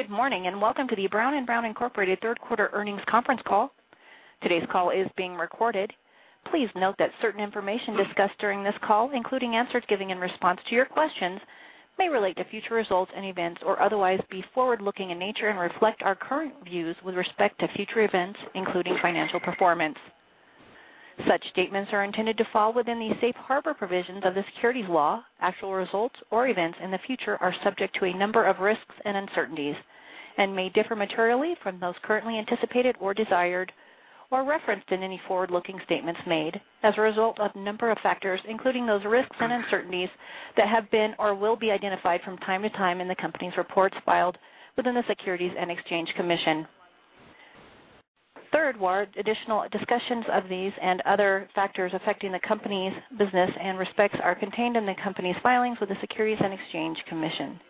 Good morning, and welcome to the Brown & Brown Incorporated third quarter earnings conference call. Today's call is being recorded. Please note that certain information discussed during this call, including answers given in response to your questions, may relate to future results and events or otherwise be forward-looking in nature and reflect our current views with respect to future events, including financial performance. Such statements are intended to fall within the safe harbor provisions of the securities law. Actual results or events in the future are subject to a number of risks and uncertainties and may differ materially from those currently anticipated or desired or referenced in any forward-looking statements made as a result of a number of factors, including those risks and uncertainties that have been or will be identified from time to time in the company's reports filed within the Securities and Exchange Commission. Third, additional discussions of these and other factors affecting the company's business and respects are contained in the company's filings with the Securities and Exchange Commission.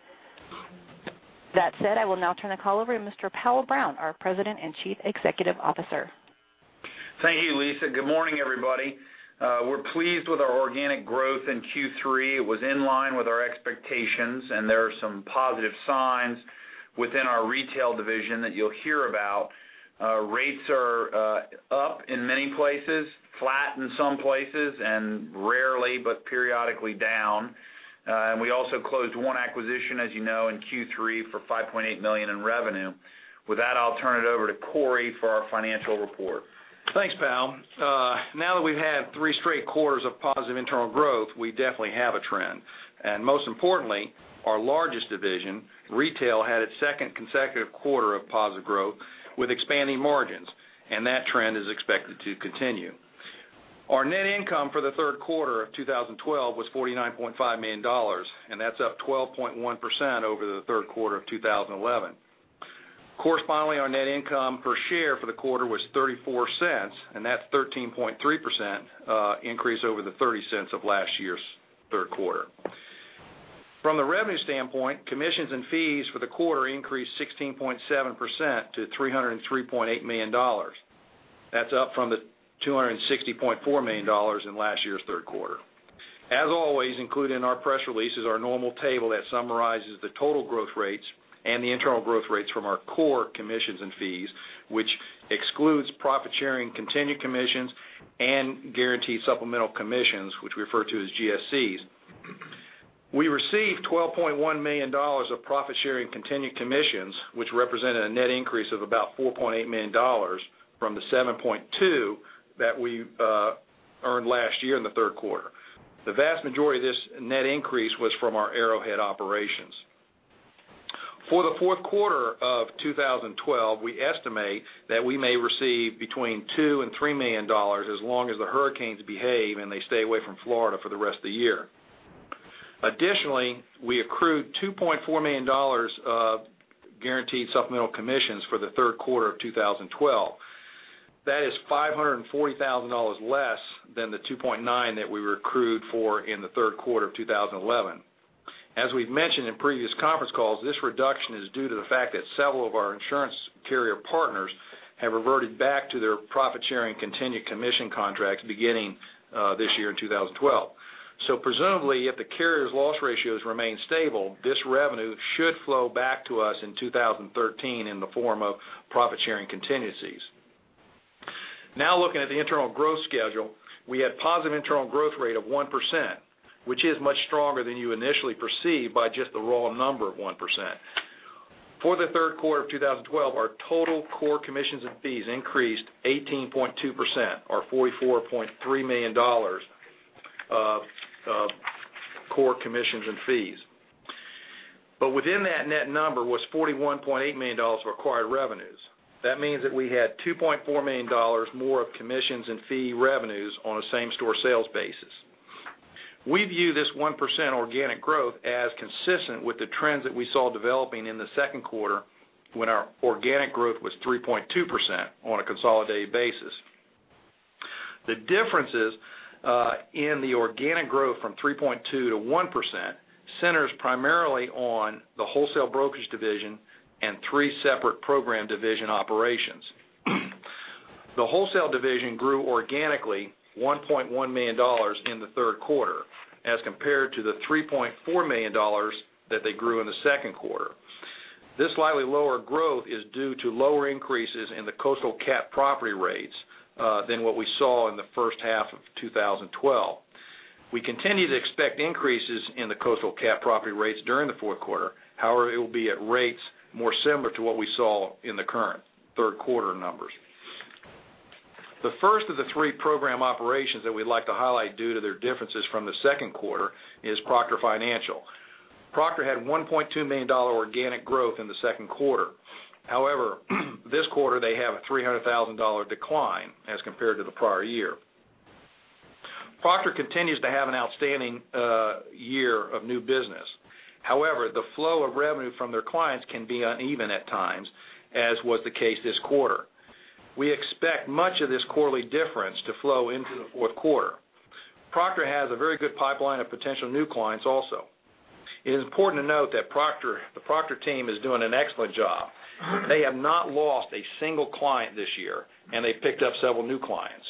That said, I will now turn the call over to Mr. Powell Brown, our President and Chief Executive Officer. Thank you, Lisa. Good morning, everybody. We're pleased with our organic growth in Q3. It was in line with our expectations, and there are some positive signs within our retail division that you'll hear about. Rates are up in many places, flat in some places, and rarely but periodically down. We also closed one acquisition, as you know, in Q3 for $5.8 million in revenue. With that, I'll turn it over to Cory for our financial report. Thanks, Powell. Now that we've had three straight quarters of positive internal growth, we definitely have a trend. Most importantly, our largest division, retail, had its second consecutive quarter of positive growth with expanding margins, and that trend is expected to continue. Our net income for the third quarter of 2012 was $49.5 million, and that's up 12.1% over the third quarter of 2011. Correspondingly, our net income per share for the quarter was $0.34, and that's 13.3% increase over the $0.30 of last year's third quarter. From the revenue standpoint, commissions and fees for the quarter increased 16.7% to $303.8 million. That's up from the $260.4 million in last year's third quarter. As always, included in our press release is our normal table that summarizes the total growth rates and the internal growth rates from our core commissions and fees, which excludes profit sharing, contingent commissions, and guaranteed supplemental commissions, which we refer to as GSCs. We received $12.1 million of profit-sharing contingent commissions, which represented a net increase of about $4.8 million from the $7.2 million that we earned last year in the third quarter. The vast majority of this net increase was from our Arrowhead operations. For the fourth quarter of 2012, we estimate that we may receive between $2 million and $3 million as long as the hurricanes behave and they stay away from Florida for the rest of the year. Additionally, we accrued $2.4 million of guaranteed supplemental commissions for the third quarter of 2012. That is $540,000 less than the $2.9 million that we accrued for in the third quarter of 2011. As we've mentioned in previous conference calls, this reduction is due to the fact that several of our insurance carrier partners have reverted back to their profit-sharing continued commission contracts beginning this year in 2012. Presumably, if the carrier's loss ratios remain stable, this revenue should flow back to us in 2013 in the form of profit-sharing contingencies. Looking at the internal growth schedule, we had positive internal growth rate of 1%, which is much stronger than you initially perceive by just the raw number of 1%. For the third quarter of 2012, our total core commissions and fees increased 18.2%, or $44.3 million of core commissions and fees. Within that net number was $41.8 million of acquired revenues. That means that we had $2.4 million more of commissions and fee revenues on a same-store sales basis. We view this 1% organic growth as consistent with the trends that we saw developing in the second quarter when our organic growth was 3.2% on a consolidated basis. The differences in the organic growth from 3.2% to 1% centers primarily on the wholesale brokerage division and three separate program division operations. The wholesale division grew organically $1.1 million in the third quarter as compared to the $3.4 million that they grew in the second quarter. This slightly lower growth is due to lower increases in the coastal CAT property rates than what we saw in the first half of 2012. We continue to expect increases in the coastal CAT property rates during the fourth quarter. However, it will be at rates more similar to what we saw in the current third quarter numbers. The first of the three program operations that we'd like to highlight due to their differences from the second quarter is Proctor Financial. Proctor had $1.2 million organic growth in the second quarter. However, this quarter, they have a $300,000 decline as compared to the prior year. Proctor continues to have an outstanding year of new business. The flow of revenue from their clients can be uneven at times, as was the case this quarter. We expect much of this quarterly difference to flow into the fourth quarter. Proctor has a very good pipeline of potential new clients also. It is important to note that the Proctor team is doing an excellent job. They have not lost a single client this year, and they picked up several new clients.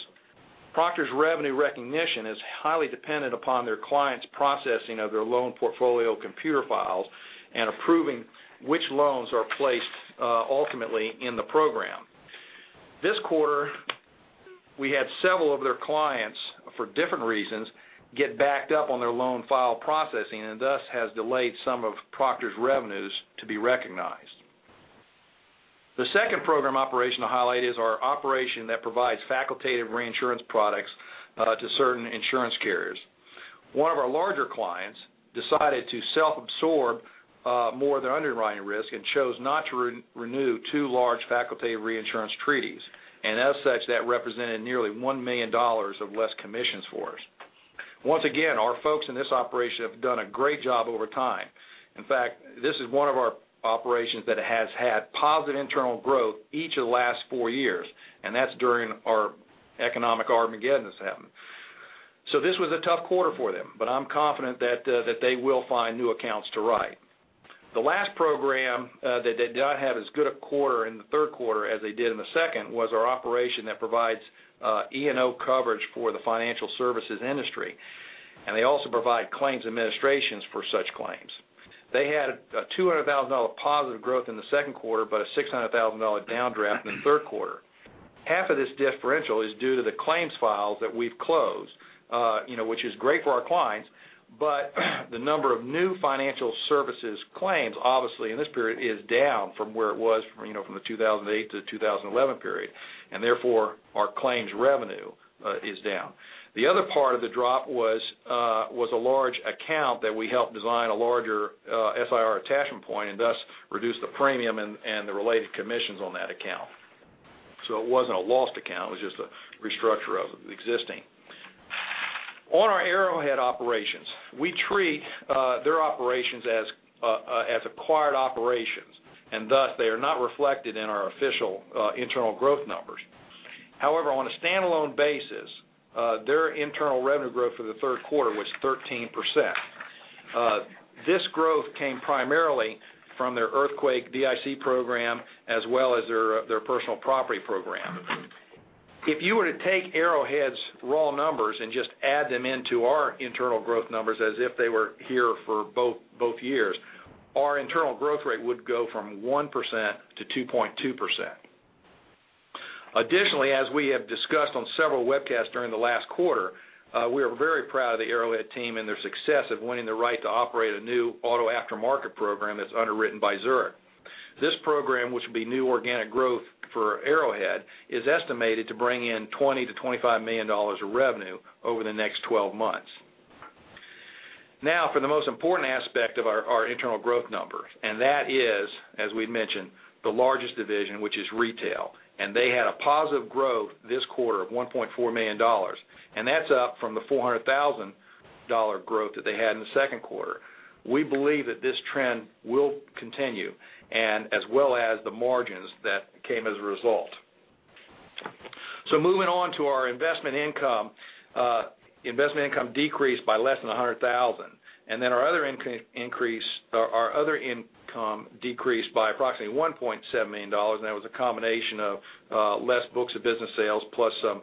Proctor's revenue recognition is highly dependent upon their clients' processing of their loan portfolio computer files and approving which loans are placed ultimately in the program. This quarter, we had several of their clients, for different reasons, get backed up on their loan file processing, and thus has delayed some of Proctor's revenues to be recognized. The second program operation to highlight is our operation that provides facultative reinsurance products to certain insurance carriers. One of our larger clients decided to self-absorb more of their underwriting risk and chose not to renew two large facultative reinsurance treaties, and as such, that represented nearly $1 million of less commissions for us. Once again, our folks in this operation have done a great job over time. In fact, this is one of our operations that has had positive internal growth each of the last four years, and that's during our economic Armageddons happened. This was a tough quarter for them, but I'm confident that they will find new accounts to write. The last program that did not have as good a quarter in the third quarter as they did in the second, was our operation that provides E&O coverage for the financial services industry, and they also provide claims administrations for such claims. They had a $200,000 positive growth in the second quarter, but a $600,000 downdraft in the third quarter. Half of this differential is due to the claims files that we've closed, which is great for our clients, but the number of new financial services claims, obviously, in this period is down from where it was from the 2008 to 2011 period, and therefore, our claims revenue is down. The other part of the drop was a large account that we helped design a larger SIR attachment point and thus reduced the premium and the related commissions on that account. It wasn't a lost account, it was just a restructure of the existing. On our Arrowhead operations, we treat their operations as acquired operations, and thus they are not reflected in our official internal growth numbers. However, on a standalone basis, their internal revenue growth for the third quarter was 13%. This growth came primarily from their earthquake DIC program as well as their personal property program. If you were to take Arrowhead's raw numbers and just add them into our internal growth numbers as if they were here for both years, our internal growth rate would go from 1% to 2.2%. Additionally, as we have discussed on several webcasts during the last quarter, we are very proud of the Arrowhead team and their success of winning the right to operate a new auto aftermarket program that's underwritten by Zurich. This program, which will be new organic growth for Arrowhead, is estimated to bring in $20 million to $25 million of revenue over the next 12 months. For the most important aspect of our internal growth numbers, that is, as we mentioned, the largest division, which is retail, they had a positive growth this quarter of $1.4 million, that's up from the $400,000 growth that they had in the second quarter. We believe that this trend will continue and as well as the margins that came as a result. Moving on to our investment income. Investment income decreased by less than $100,000, our other income decreased by approximately $1.7 million, that was a combination of less books of business sales plus some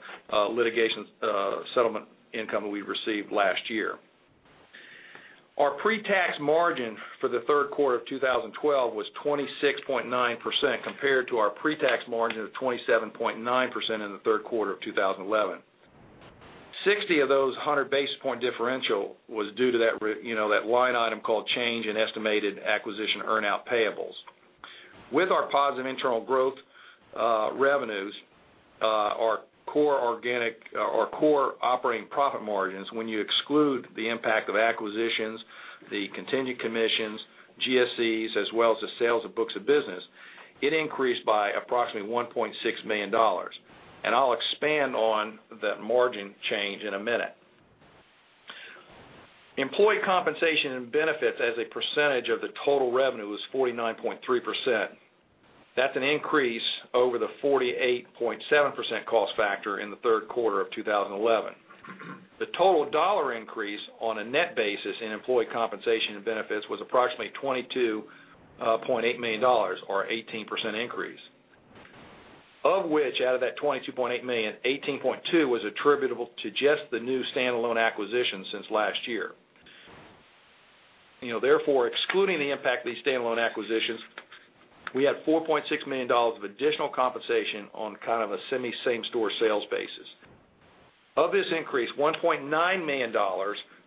litigation settlement income that we received last year. Our pre-tax margin for the third quarter of 2012 was 26.9% compared to our pre-tax margin of 27.9% in the third quarter of 2011. 60 of those 100 basis points differential was due to that line item called change in estimated acquisition earn-out payables. With our positive internal growth revenues, our core operating profit margins, when you exclude the impact of acquisitions, the contingent commissions, GSCs, as well as the sales of books of business, it increased by approximately $1.6 million. I'll expand on that margin change in a minute. Employee compensation and benefits as a percentage of the total revenue was 49.3%. That's an increase over the 48.7% cost factor in the third quarter of 2011. The total dollar increase on a net basis in employee compensation and benefits was approximately $22.8 million or 18% increase. Of which, out of that $22.8 million, $18.2 million was attributable to just the new standalone acquisitions since last year. Excluding the impact of these standalone acquisitions, we had $4.6 million of additional compensation on kind of a semi same-store sales basis. Of this increase, $1.9 million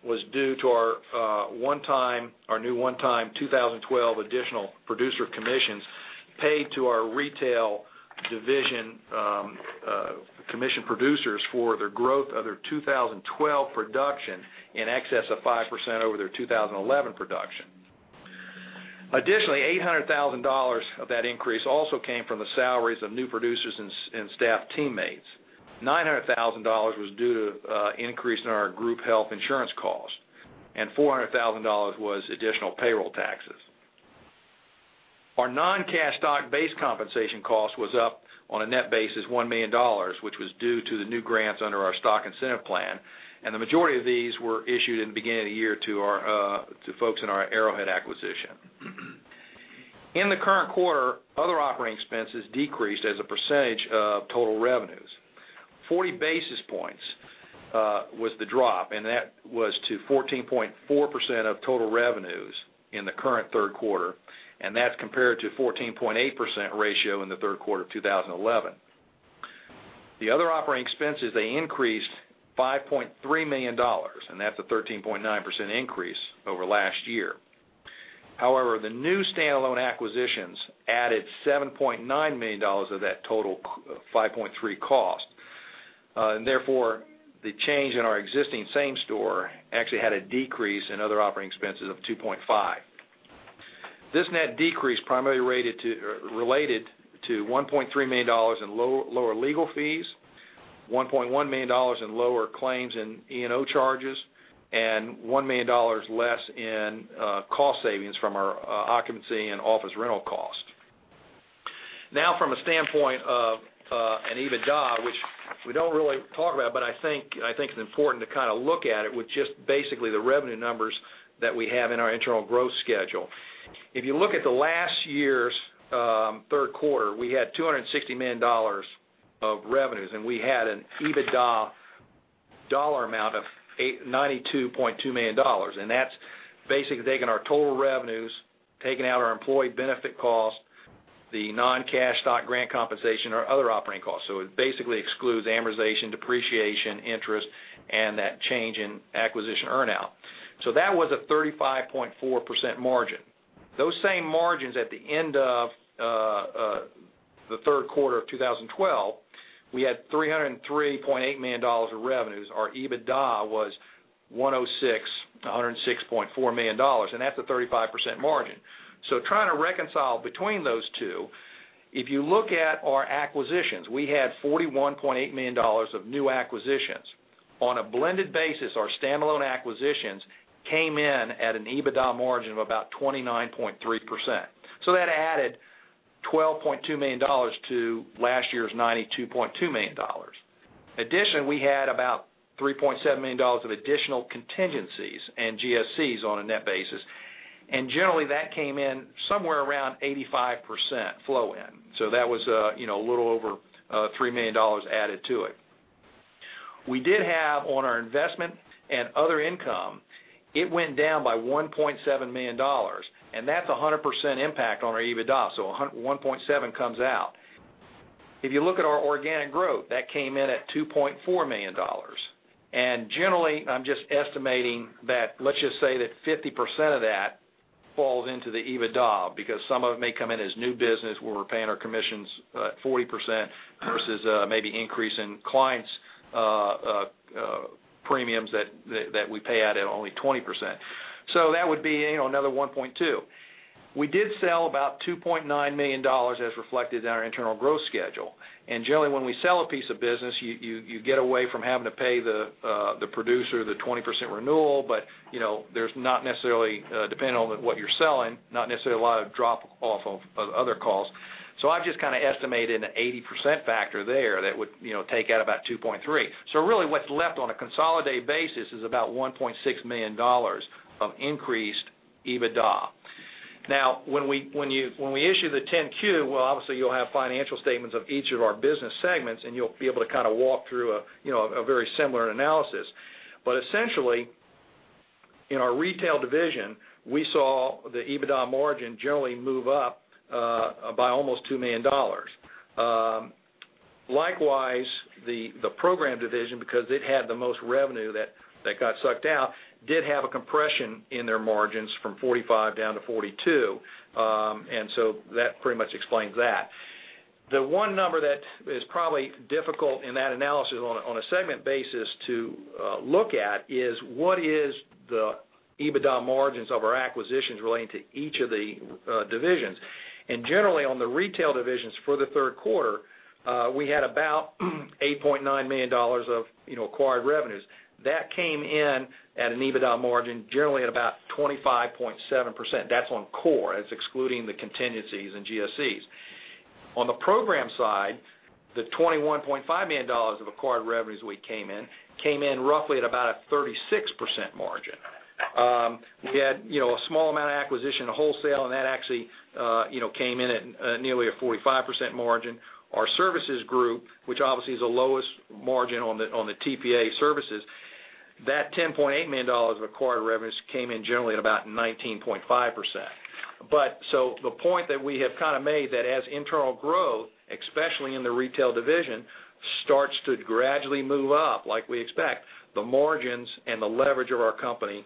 was due to our new one-time 2012 additional producer commissions paid to our retail division commission producers for their growth of their 2012 production in excess of 5% over their 2011 production. Additionally, $800,000 of that increase also came from the salaries of new producers and staff teammates. $900,000 was due to increase in our group health insurance cost, and $400,000 was additional payroll taxes. Our non-cash stock-based compensation cost was up on a net basis $1 million, which was due to the new grants under our stock incentive plan, and the majority of these were issued in the beginning of the year to folks in our Arrowhead acquisition. In the current quarter, other operating expenses decreased as a percentage of total revenues. 40 basis points was the drop, and that was to 14.4% of total revenues in the current third quarter, and that's compared to 14.8% ratio in the third quarter of 2011. The other operating expenses, they increased $5.3 million, and that's a 13.9% increase over last year. The new standalone acquisitions added $7.9 million of that total $5.3 million cost. The change in our existing same-store actually had a decrease in other operating expenses of $2.5 million. This net decrease primarily related to $1.3 million in lower legal fees, $1.1 million in lower claims in E&O charges, and $1 million less in cost savings from our occupancy and office rental cost. From a standpoint of an EBITDA, which we don't really talk about, but I think it's important to kind of look at it with just basically the revenue numbers that we have in our internal growth schedule. If you look at the last year's third quarter, we had $260 million of revenues, and we had an EBITDA dollar amount of $92.2 million, and that's basically taking our total revenues, taking out our employee benefit cost, the non-cash stock-grant compensation, our other operating costs. It basically excludes amortization, depreciation, interest, and that change in acquisition earn-out. That was a 35.4% margin. Those same margins at the end of the third quarter of 2012, we had $303.8 million of revenues. Our EBITDA was $106.4 million, and that's a 35% margin. Trying to reconcile between those two, if you look at our acquisitions, we had $41.8 million of new acquisitions. On a blended basis, our standalone acquisitions came in at an EBITDA margin of about 29.3%. That added $12.2 million to last year's $92.2 million. In addition, we had about $3.7 million of additional contingencies and GSCs on a net basis. Generally, that came in somewhere around 85% flow in. That was a little over $3 million added to it. We did have on our investment and other income, it went down by $1.7 million, and that's 100% impact on our EBITDA, so $1.7 comes out. If you look at our organic growth, that came in at $2.4 million. Generally, I'm just estimating that, let's just say that 50% of that falls into the EBITDA, because some of it may come in as new business where we're paying our commissions at 40% versus maybe increase in clients' premiums that we pay out at only 20%. That would be another $1.2. We did sell about $2.9 million as reflected in our internal growth schedule. Generally, when we sell a piece of business, you get away from having to pay the producer the 20% renewal, but depending on what you're selling, not necessarily a lot of drop off of other costs. I've just kind of estimated an 80% factor there that would take out about $2.3. Really what's left on a consolidated basis is about $1.6 million of increased EBITDA. When we issue the 10-Q, well, obviously, you'll have financial statements of each of our business segments, and you'll be able to kind of walk through a very similar analysis. Essentially, in our retail division, we saw the EBITDA margin generally move up by almost $2 million. Likewise, the program division, because it had the most revenue that got sucked out, did have a compression in their margins from 45% down to 42%. That pretty much explains that. The one number that is probably difficult in that analysis on a segment basis to look at is what is the EBITDA margins of our acquisitions relating to each of the divisions. Generally, on the retail divisions for the third quarter, we had about $8.9 million of acquired revenues. That came in at an EBITDA margin, generally at about 25.7%. That's on core. That's excluding the contingencies and GSCs. On the program side, the $21.5 million of acquired revenues came in roughly at about a 36% margin. We had a small amount of acquisition of wholesale, and that actually came in at nearly a 45% margin. Our services group, which obviously is the lowest margin on the TPA services, that $10.8 million of acquired revenues came in generally at about 19.5%. The point that we have kind of made that as internal growth, especially in the retail division, starts to gradually move up like we expect, the margins and the leverage of our company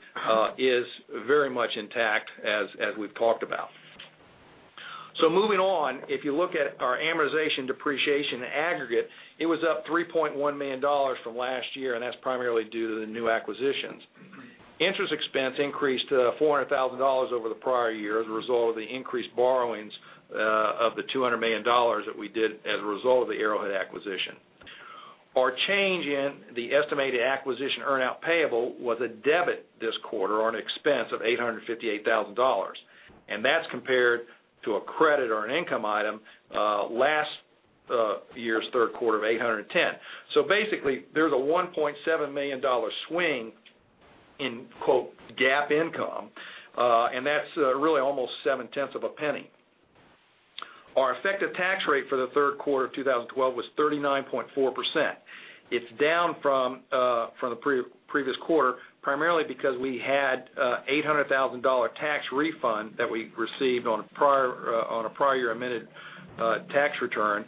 is very much intact, as we've talked about. Moving on, if you look at our amortization depreciation aggregate, it was up $3.1 million from last year, and that's primarily due to the new acquisitions. Interest expense increased to $400,000 over the prior year as a result of the increased borrowings of the $200 million that we did as a result of the Arrowhead acquisition. Our change in the estimated acquisition earnout payable was a debit this quarter on expense of $858,000, and that's compared to a credit or an income item last year's third quarter of $810,000. Basically, there's a $1.7 million swing in GAAP income, and that's really almost $0.007. Our effective tax rate for the third quarter of 2012 was 39.4%. It's down from the previous quarter, primarily because we had a $800,000 tax refund that we received on a prior year amended tax return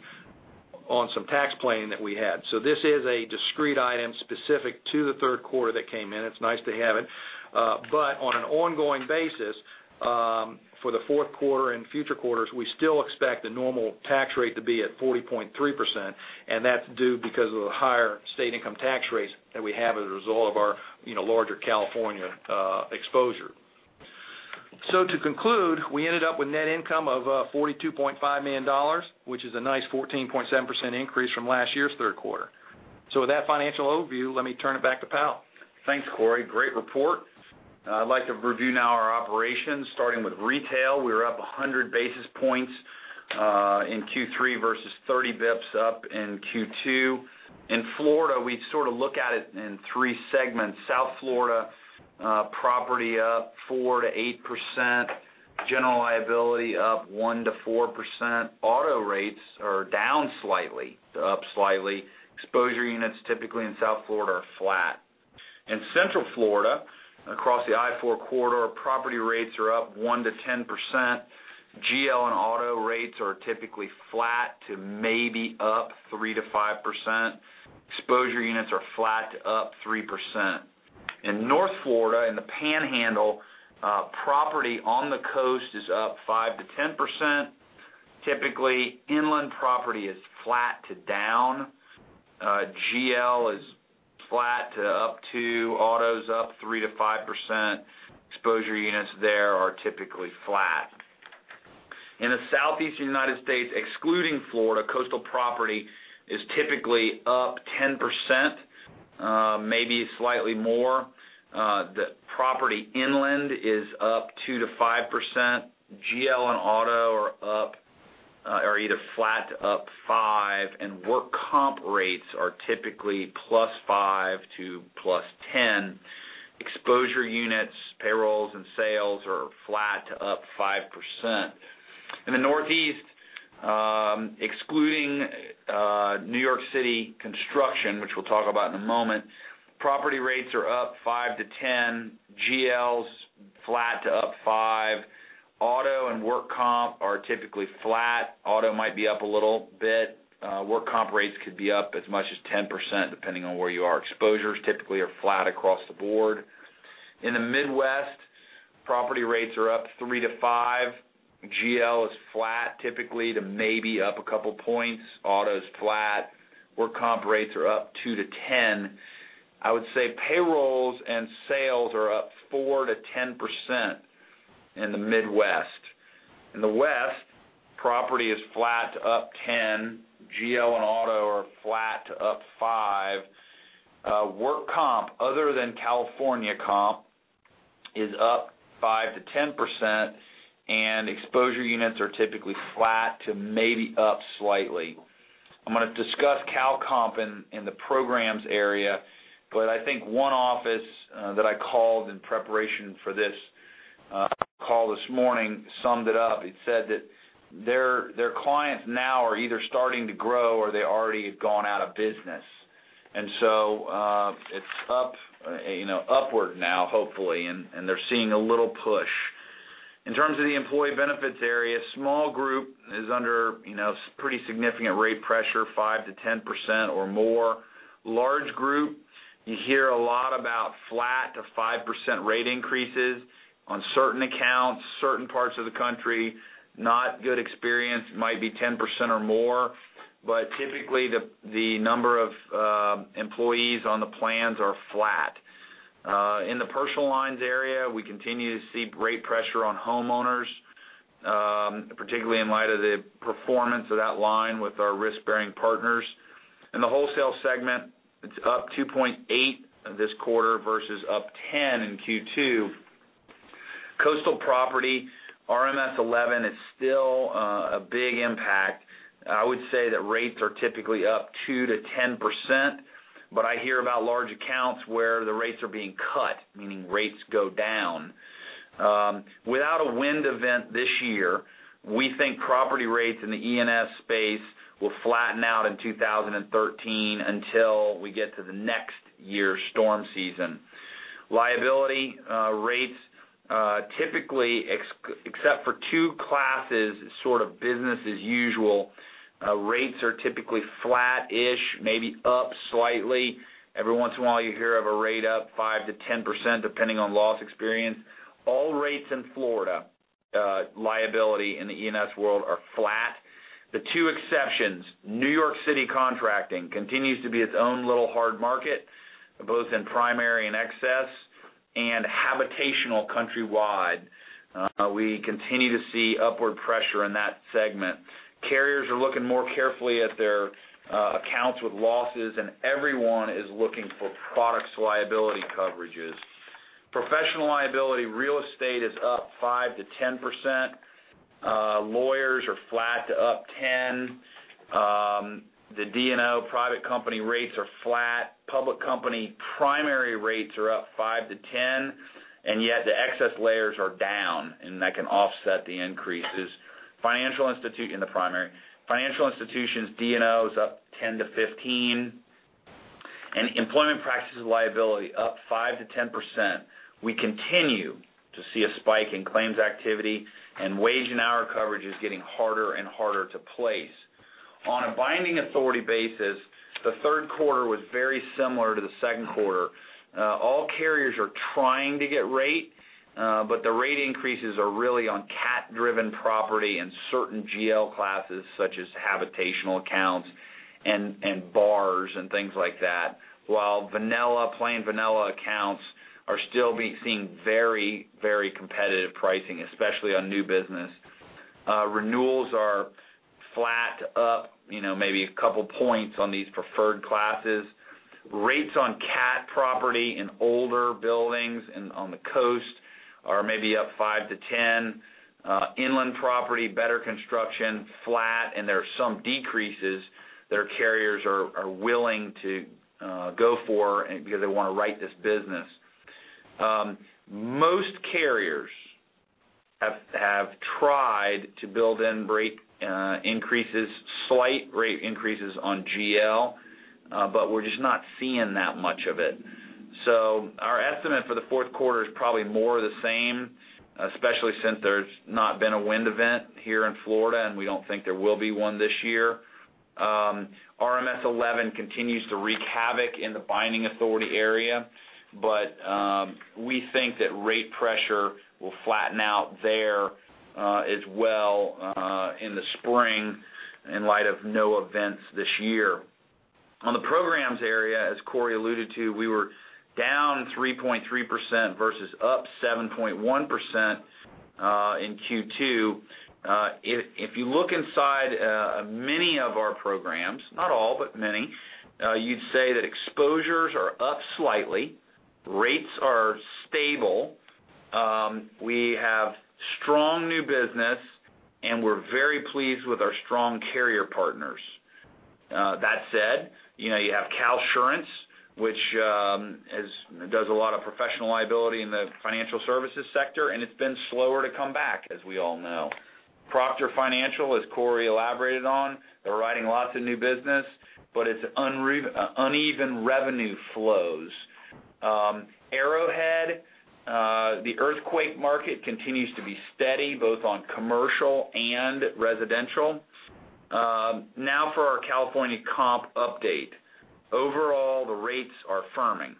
on some tax planning that we had. This is a discrete item specific to the third quarter that came in. It's nice to have it. On an ongoing basis, for the fourth quarter and future quarters, we still expect the normal tax rate to be at 40.3%, and that's due because of the higher state income tax rates that we have as a result of our larger California exposure. To conclude, we ended up with net income of $42.5 million, which is a nice 14.7% increase from last year's third quarter. With that financial overview, let me turn it back to Powell. Thanks, Cory. Great report. I'd like to review now our operations, starting with retail. We were up 100 basis points in Q3 versus 30 basis points up in Q2. In Florida, we sort of look at it in three segments. South Florida, property up 4%-8%, general liability up 1%-4%. Auto rates are down slightly to up slightly. Exposure units typically in South Florida are flat. In Central Florida, across the I-4 corridor, property rates are up 1%-10%. GL and auto rates are typically flat to maybe up 3%-5%. Exposure units are flat to up 3%. In North Florida, in the Panhandle, property on the coast is up 5%-10%. Typically, inland property is flat to down. GL is flat to up two, auto's up 3%-5%. Exposure units there are typically flat. In the Southeastern U.S., excluding Florida, coastal property is typically up 10%, maybe slightly more. The property inland is up 2%-5%. GL and auto are either flat to up five, and work comp rates are typically +5% to +10%. Exposure units, payrolls, and sales are flat to up 5%. In the Northeast, excluding New York City Construction, which we'll talk about in a moment, property rates are up 5%-10%. GL's flat to up five. Auto and work comp are typically flat. Auto might be up a little bit. Work comp rates could be up as much as 10%, depending on where you are. Exposures typically are flat across the board. In the Midwest, property rates are up 3%-5%. GL is flat typically to maybe up a couple points. Auto's flat. Work comp rates are up 2%-10%. payrolls and sales are up 4%-10% in the Midwest. In the West, property is flat to up 10%. GL and auto are flat to up 5%. Workers' Compensation, other than Cal-Comp, is up 5%-10%, and exposure units are typically flat to maybe up slightly. I am going to discuss Cal-Comp in the programs area. I think one office that I called in preparation for this call this morning summed it up. It said that their clients now are either starting to grow or they already have gone out of business. It is upward now, hopefully, and they are seeing a little push. In terms of the employee benefits area, small group is under pretty significant rate pressure, 5%-10% or more. Large group, you hear a lot about flat to 5% rate increases on certain accounts, certain parts of the country. Not good experience, might be 10% or more. Typically, the number of employees on the plans are flat. In the personal lines area, we continue to see great pressure on homeowners, particularly in light of the performance of that line with our risk-bearing partners. In the wholesale segment, it is up 2.8% this quarter versus up 10% in Q2. Coastal property, RMS v11 is still a big impact. I would say that rates are typically up 2%-10%. I hear about large accounts where the rates are being cut, meaning rates go down. Without a wind event this year, we think property rates in the E&S space will flatten out in 2013 until we get to the next year's storm season. Liability rates, typically, except for two classes, sort of business as usual, rates are typically flat-ish, maybe up slightly. Every once in a while, you hear of a rate up 5%-10% depending on loss experience. All rates in Florida, liability in the E&S world are flat. The two exceptions, New York City contracting continues to be its own little hard market, both in primary and excess, and habitational countrywide. We continue to see upward pressure in that segment. Carriers are looking more carefully at their accounts with losses, and everyone is looking for products liability coverages. Professional liability real estate is up 5%-10%. Lawyers are flat to up 10%. The D&O private company rates are flat. Public company primary rates are up 5%-10%, and yet the excess layers are down, and that can offset the increases in the primary. Financial institutions' D&O is up 10%-15%, and employment practices liability up 5%-10%. We continue to see a spike in claims activity, and wage and hour coverage is getting harder and harder to place. On a binding authority basis, the third quarter was very similar to the second quarter. All carriers are trying to get rate, but the rate increases are really on CAT-driven property and certain GL classes such as habitational accounts and bars and things like that. While plain vanilla accounts are still seeing very competitive pricing, especially on new business. Renewals are flat up maybe a couple points on these preferred classes. Rates on CAT property in older buildings and on the coast are maybe up 5%-10%. Inland property, better construction, flat, and there are some decreases that our carriers are willing to go for because they want to write this business. Most carriers have tried to build in slight rate increases on GL. We're just not seeing that much of it. Our estimate for the fourth quarter is probably more of the same, especially since there's not been a wind event here in Florida, and we don't think there will be one this year. RMS v11 continues to wreak havoc in the binding authority area. We think that rate pressure will flatten out there as well in the spring in light of no events this year. On the programs area, as Cory alluded to, we were down 3.3% versus up 7.1% in Q2. If you look inside many of our programs, not all, many, you'd say that exposures are up slightly. Rates are stable. We have strong new business, and we're very pleased with our strong carrier partners. That said, you have CalSurance, which does a lot of professional liability in the financial services sector, and it's been slower to come back, as we all know. Proctor Financial, as Cory elaborated on, they're writing lots of new business. It's uneven revenue flows. Arrowhead, the earthquake market continues to be steady both on commercial and residential. For our Cal-Comp update. Overall, the rates are firming.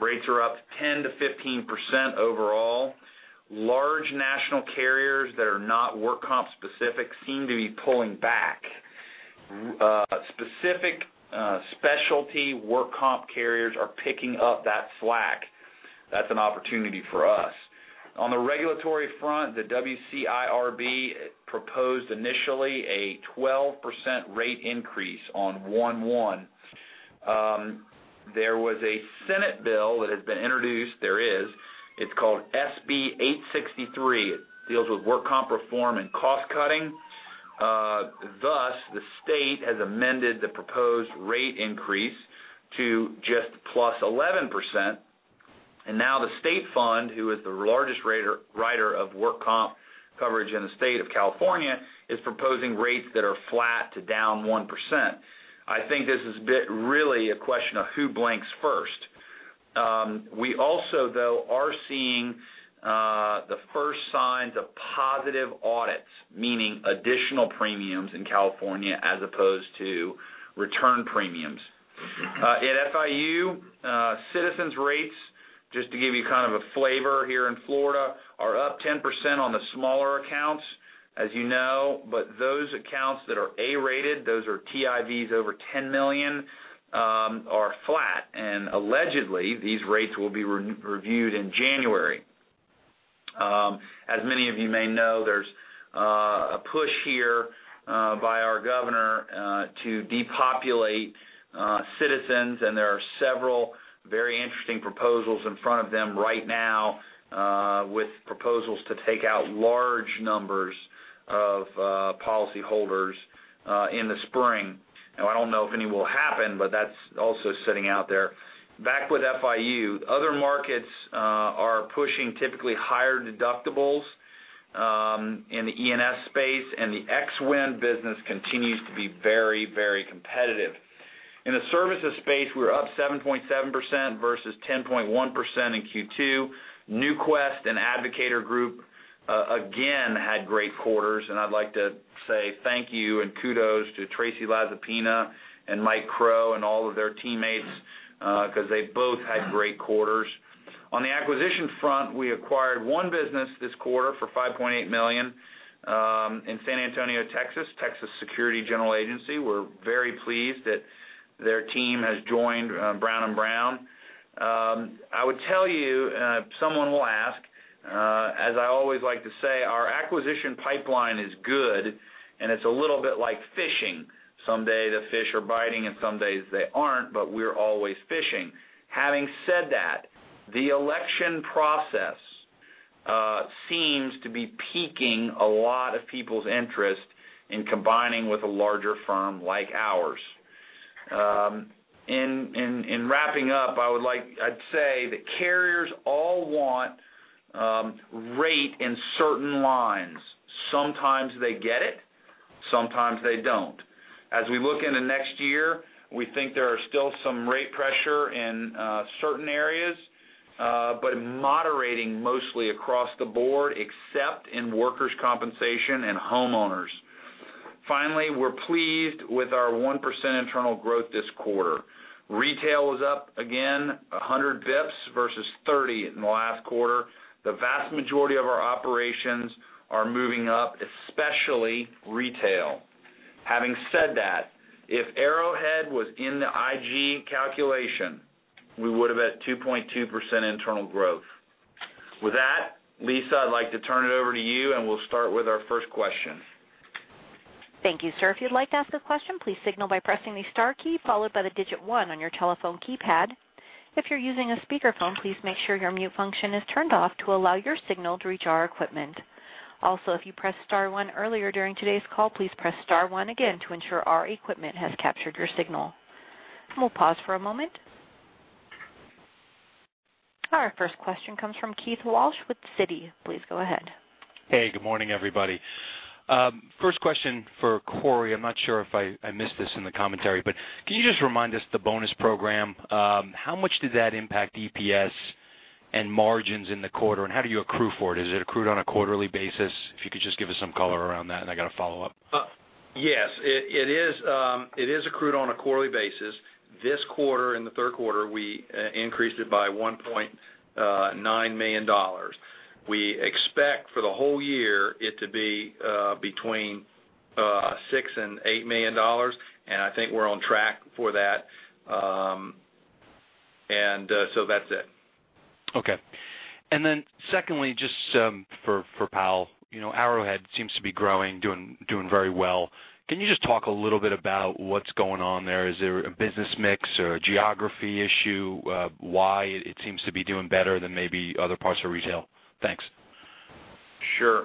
Rates are up 10%-15% overall. Large national carriers that are not workers' compensation specific seem to be pulling back. Specific specialty workers' compensation carriers are picking up that slack. That's an opportunity for us. On the regulatory front, the Workers' Compensation Insurance Rating Bureau of California proposed initially a 12% rate increase on one/one. There was a Senate bill that has been introduced. It's called SB 863. It deals with workers' compensation reform and cost-cutting. The state has amended the proposed rate increase to just plus 11%. The State Compensation Insurance Fund, who is the largest writer of workers' compensation coverage in the state of California, is proposing rates that are flat to down 1%. I think this has been really a question of who blinks first. We also, though, are seeing the first signs of positive audits, meaning additional premiums in California as opposed to return premiums. At Florida Intracoastal Underwriters, Citizens Property Insurance Corporation rates, just to give you kind of a flavor here in Florida, are up 10% on the smaller accounts, as you know. Those accounts that are A-rated, those are TIVs over $10 million, are flat. Allegedly, these rates will be reviewed in January. As many of you may know, there's a push here by our governor to depopulate Citizens Property Insurance Corporation, and there are several very interesting proposals in front of them right now with proposals to take out large numbers of policyholders in the spring. I don't know if any will happen, but that's also sitting out there. Back with Florida Intracoastal Underwriters, other markets are pushing typically higher deductibles in the E&S space, and the ex-wind business continues to be very competitive. In the services space, we're up 7.7% versus 10.1% in Q2. NewQuest and The Advocator Group again had great quarters, and I'd like to say thank you and kudos to Tracy Lazapina and Mike Crowe and all of their teammates because they both had great quarters. On the acquisition front, we acquired one business this quarter for $5.8 million in San Antonio, Texas Security General Insurance Agency. We're very pleased that their team has joined Brown & Brown. I would tell you, someone will ask, as I always like to say, our acquisition pipeline is good. It's a little bit like fishing. Some days the fish are biting and some days they aren't, but we're always fishing. Having said that, the election process seems to be piquing a lot of people's interest in combining with a larger firm like ours. In wrapping up, I'd say that carriers all want rate in certain lines. Sometimes they get it, sometimes they don't. As we look into next year, we think there are still some rate pressure in certain areas, but moderating mostly across the board, except in workers' compensation and homeowners. Finally, we're pleased with our 1% internal growth this quarter. Retail was up again 100 basis points versus 30 in the last quarter. The vast majority of our operations are moving up, especially retail. Having said that, if Arrowhead was in the IG calculation, we would've had 2.2% internal growth. With that, Lisa, I'd like to turn it over to you. We'll start with our first question. Thank you, sir. If you'd like to ask a question, please signal by pressing the star key, followed by the digit 1 on your telephone keypad. If you're using a speakerphone, please make sure your mute function is turned off to allow your signal to reach our equipment. Also, if you pressed star 1 earlier during today's call, please press star 1 again to ensure our equipment has captured your signal. We'll pause for a moment. Our first question comes from Keith Walsh with Citi. Please go ahead. Hey, good morning, everybody. First question for Cory. I'm not sure if I missed this in the commentary, but can you just remind us the bonus program, how much did that impact EPS and margins in the quarter? How do you accrue for it? Is it accrued on a quarterly basis? If you could just give us some color around that. I've got a follow-up. Yes. It is accrued on a quarterly basis. This quarter, in the third quarter, we increased it by $1.9 million. We expect for the whole year it to be between $6 million and $8 million, and I think we're on track for that. That's it. Okay. Secondly, just for Powell. Arrowhead seems to be growing, doing very well. Can you just talk a little bit about what's going on there? Is there a business mix or a geography issue? Why it seems to be doing better than maybe other parts of retail? Thanks. Sure.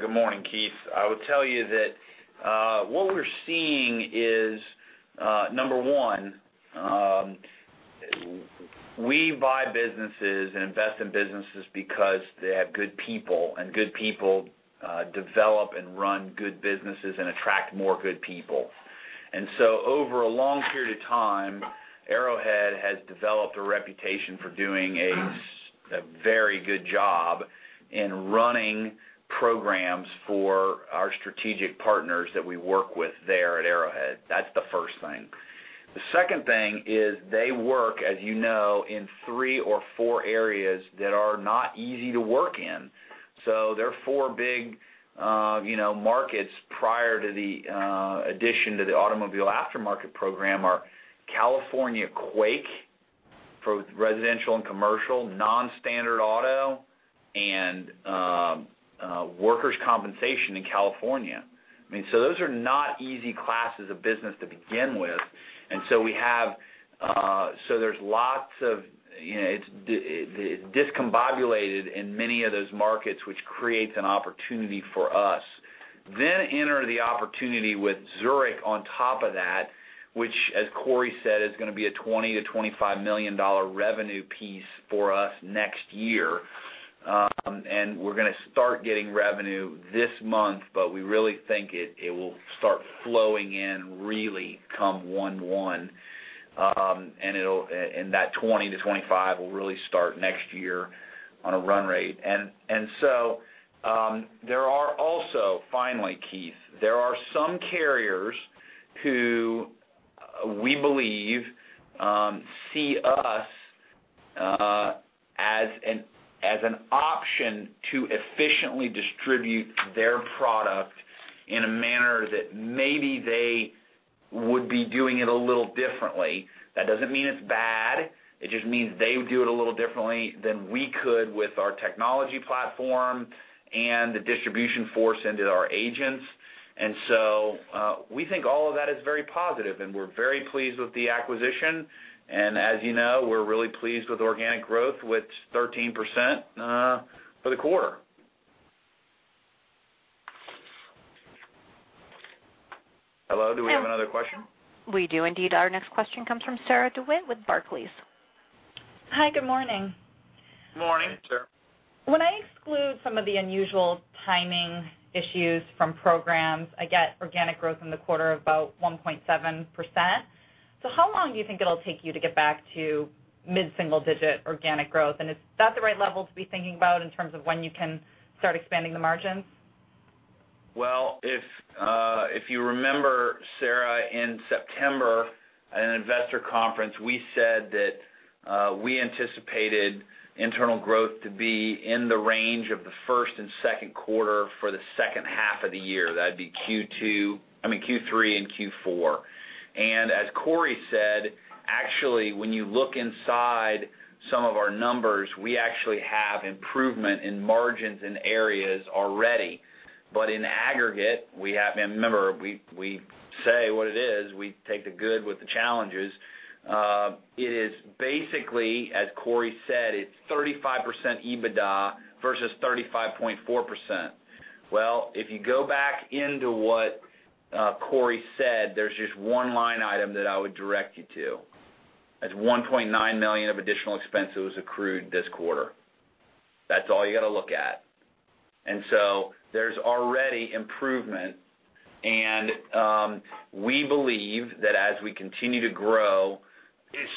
Good morning, Keith. I would tell you that what we're seeing is, number one, we buy businesses and invest in businesses because they have good people, and good people develop and run good businesses and attract more good people. Over a long period of time, Arrowhead has developed a reputation for doing a very good job in running programs for our strategic partners that we work with there at Arrowhead. That's the first thing. The second thing is they work, as you know, in three or four areas that are not easy to work in. Their four big markets prior to the addition to the automobile aftermarket program are California quake for both residential and commercial, non-standard auto, and workers' compensation in California. Those are not easy classes of business to begin with. It's discombobulated in many of those markets, which creates an opportunity for us. Enter the opportunity with Zurich on top of that, which, as Cory said, is going to be a $20 million to $25 million revenue piece for us next year. We're going to start getting revenue this month, but we really think it will start flowing in really come one-one. That $20 million to $25 million will really start next year on a run rate. There are also, finally, Keith, there are some carriers who we believe see us as an option to efficiently distribute their product in a manner that maybe they would be doing it a little differently. That doesn't mean it's bad. It just means they would do it a little differently than we could with our technology platform and the distribution force into our agents. So we think all of that is very positive, and we're very pleased with the acquisition. As you know, we're really pleased with organic growth with 13% for the quarter. Hello, do we have another question? We do indeed. Our next question comes from Sarah DeWitt with Barclays. Hi, good morning. Good morning. Hey, Sarah. When I exclude some of the unusual timing issues from programs, I get organic growth in the quarter of about 1.7%. How long do you think it'll take you to get back to mid-single digit organic growth? Is that the right level to be thinking about in terms of when you can start expanding the margins? Well, if you remember, Sarah, in September, at an investor conference, we said that we anticipated internal growth to be in the range of the first and second quarter for the second half of the year. That'd be Q2- I mean Q3 and Q4. As Cory said, actually, when you look inside some of our numbers, we actually have improvement in margins in areas already. In aggregate, remember, we say what it is, we take the good with the challenges. It is basically, as Cory said, it's 35% EBITDA versus 35.4%. Well, if you go back into what Cory said, there's just one line item that I would direct you to. That's $1.9 million of additional expense that was accrued this quarter. That's all you got to look at. There's already improvement, and we believe that as we continue to grow,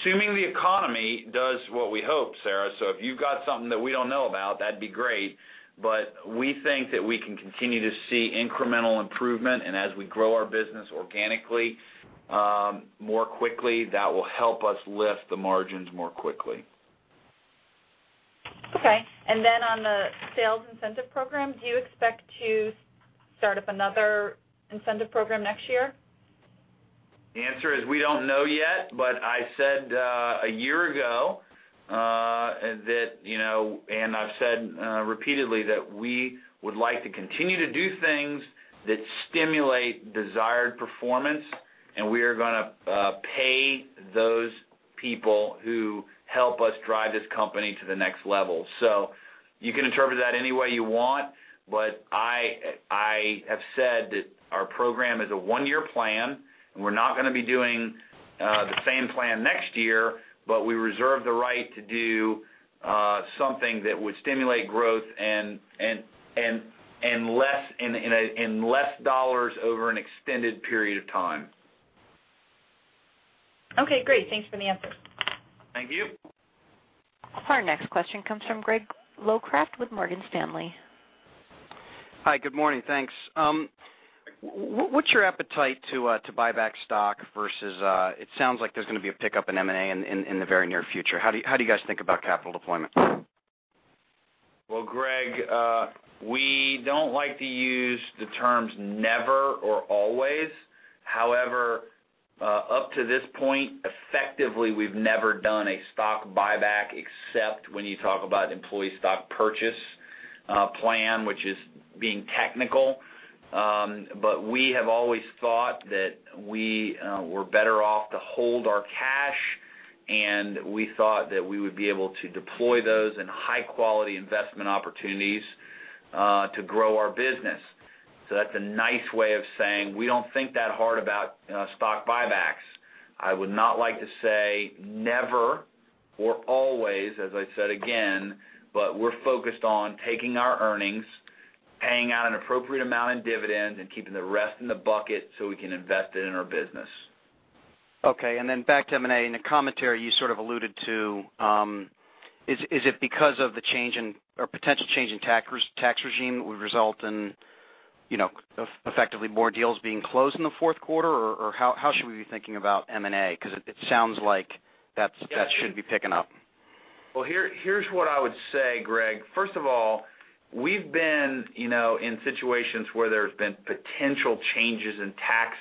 assuming the economy does what we hope, Sarah, so if you've got something that we don't know about, that'd be great, but we think that we can continue to see incremental improvement. As we grow our business organically more quickly, that will help us lift the margins more quickly. Okay. On the sales incentive program, do you expect to start up another incentive program next year? The answer is we don't know yet. I said a year ago, I've said repeatedly that we would like to continue to do things that stimulate desired performance. We are going to pay those people who help us drive this company to the next level. You can interpret that any way you want. I have said that our program is a one-year plan. We're not going to be doing the same plan next year. We reserve the right to do something that would stimulate growth in less dollars over an extended period of time. Okay, great. Thanks for the answer. Thank you. Our next question comes from Greg Locraft with Morgan Stanley. Hi, good morning. Thanks. What's your appetite to buy back stock versus It sounds like there's going to be a pickup in M&A in the very near future. How do you guys think about capital deployment? Well, Greg, we don't like to use the terms never or always. However, up to this point, effectively, we've never done a stock buyback except when you talk about employee stock purchase plan, which is being technical. We have always thought that we were better off to hold our cash, and we thought that we would be able to deploy those in high-quality investment opportunities to grow our business. That's a nice way of saying we don't think that hard about stock buybacks. I would not like to say never or always, as I said again, but we're focused on taking our earnings, paying out an appropriate amount in dividends, and keeping the rest in the bucket so we can invest it in our business. Okay. Then back to M&A. In the commentary you sort of alluded to, is it because of the change in, or potential change in tax regime that would result in effectively more deals being closed in the fourth quarter? How should we be thinking about M&A? It sounds like that should be picking up. Here's what I would say, Greg. First of all, we've been in situations where there's been potential changes in tax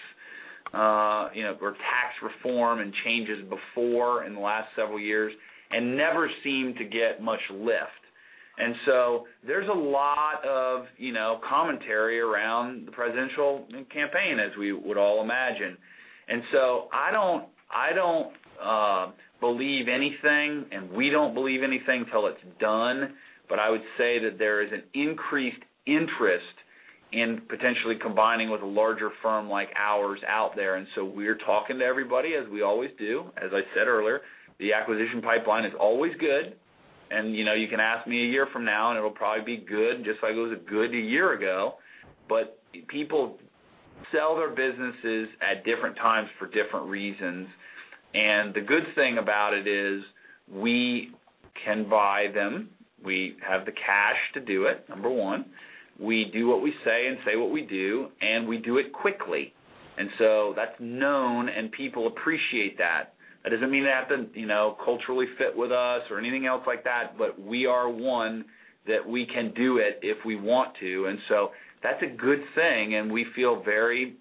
or tax reform and changes before in the last several years and never seem to get much lift. There's a lot of commentary around the presidential campaign, as we would all imagine. I don't believe anything, and we don't believe anything till it's done. I would say that there is an increased interest in potentially combining with a larger firm like ours out there. We're talking to everybody as we always do. As I said earlier, the acquisition pipeline is always good. You can ask me a year from now, and it'll probably be good, just like it was good a year ago. People sell their businesses at different times for different reasons. The good thing about it is we can buy them. We have the cash to do it, number one. We do what we say and say what we do, and we do it quickly. That's known, and people appreciate that. That doesn't mean they have to culturally fit with us or anything else like that, we are one that we can do it if we want to. That's a good thing, and we feel very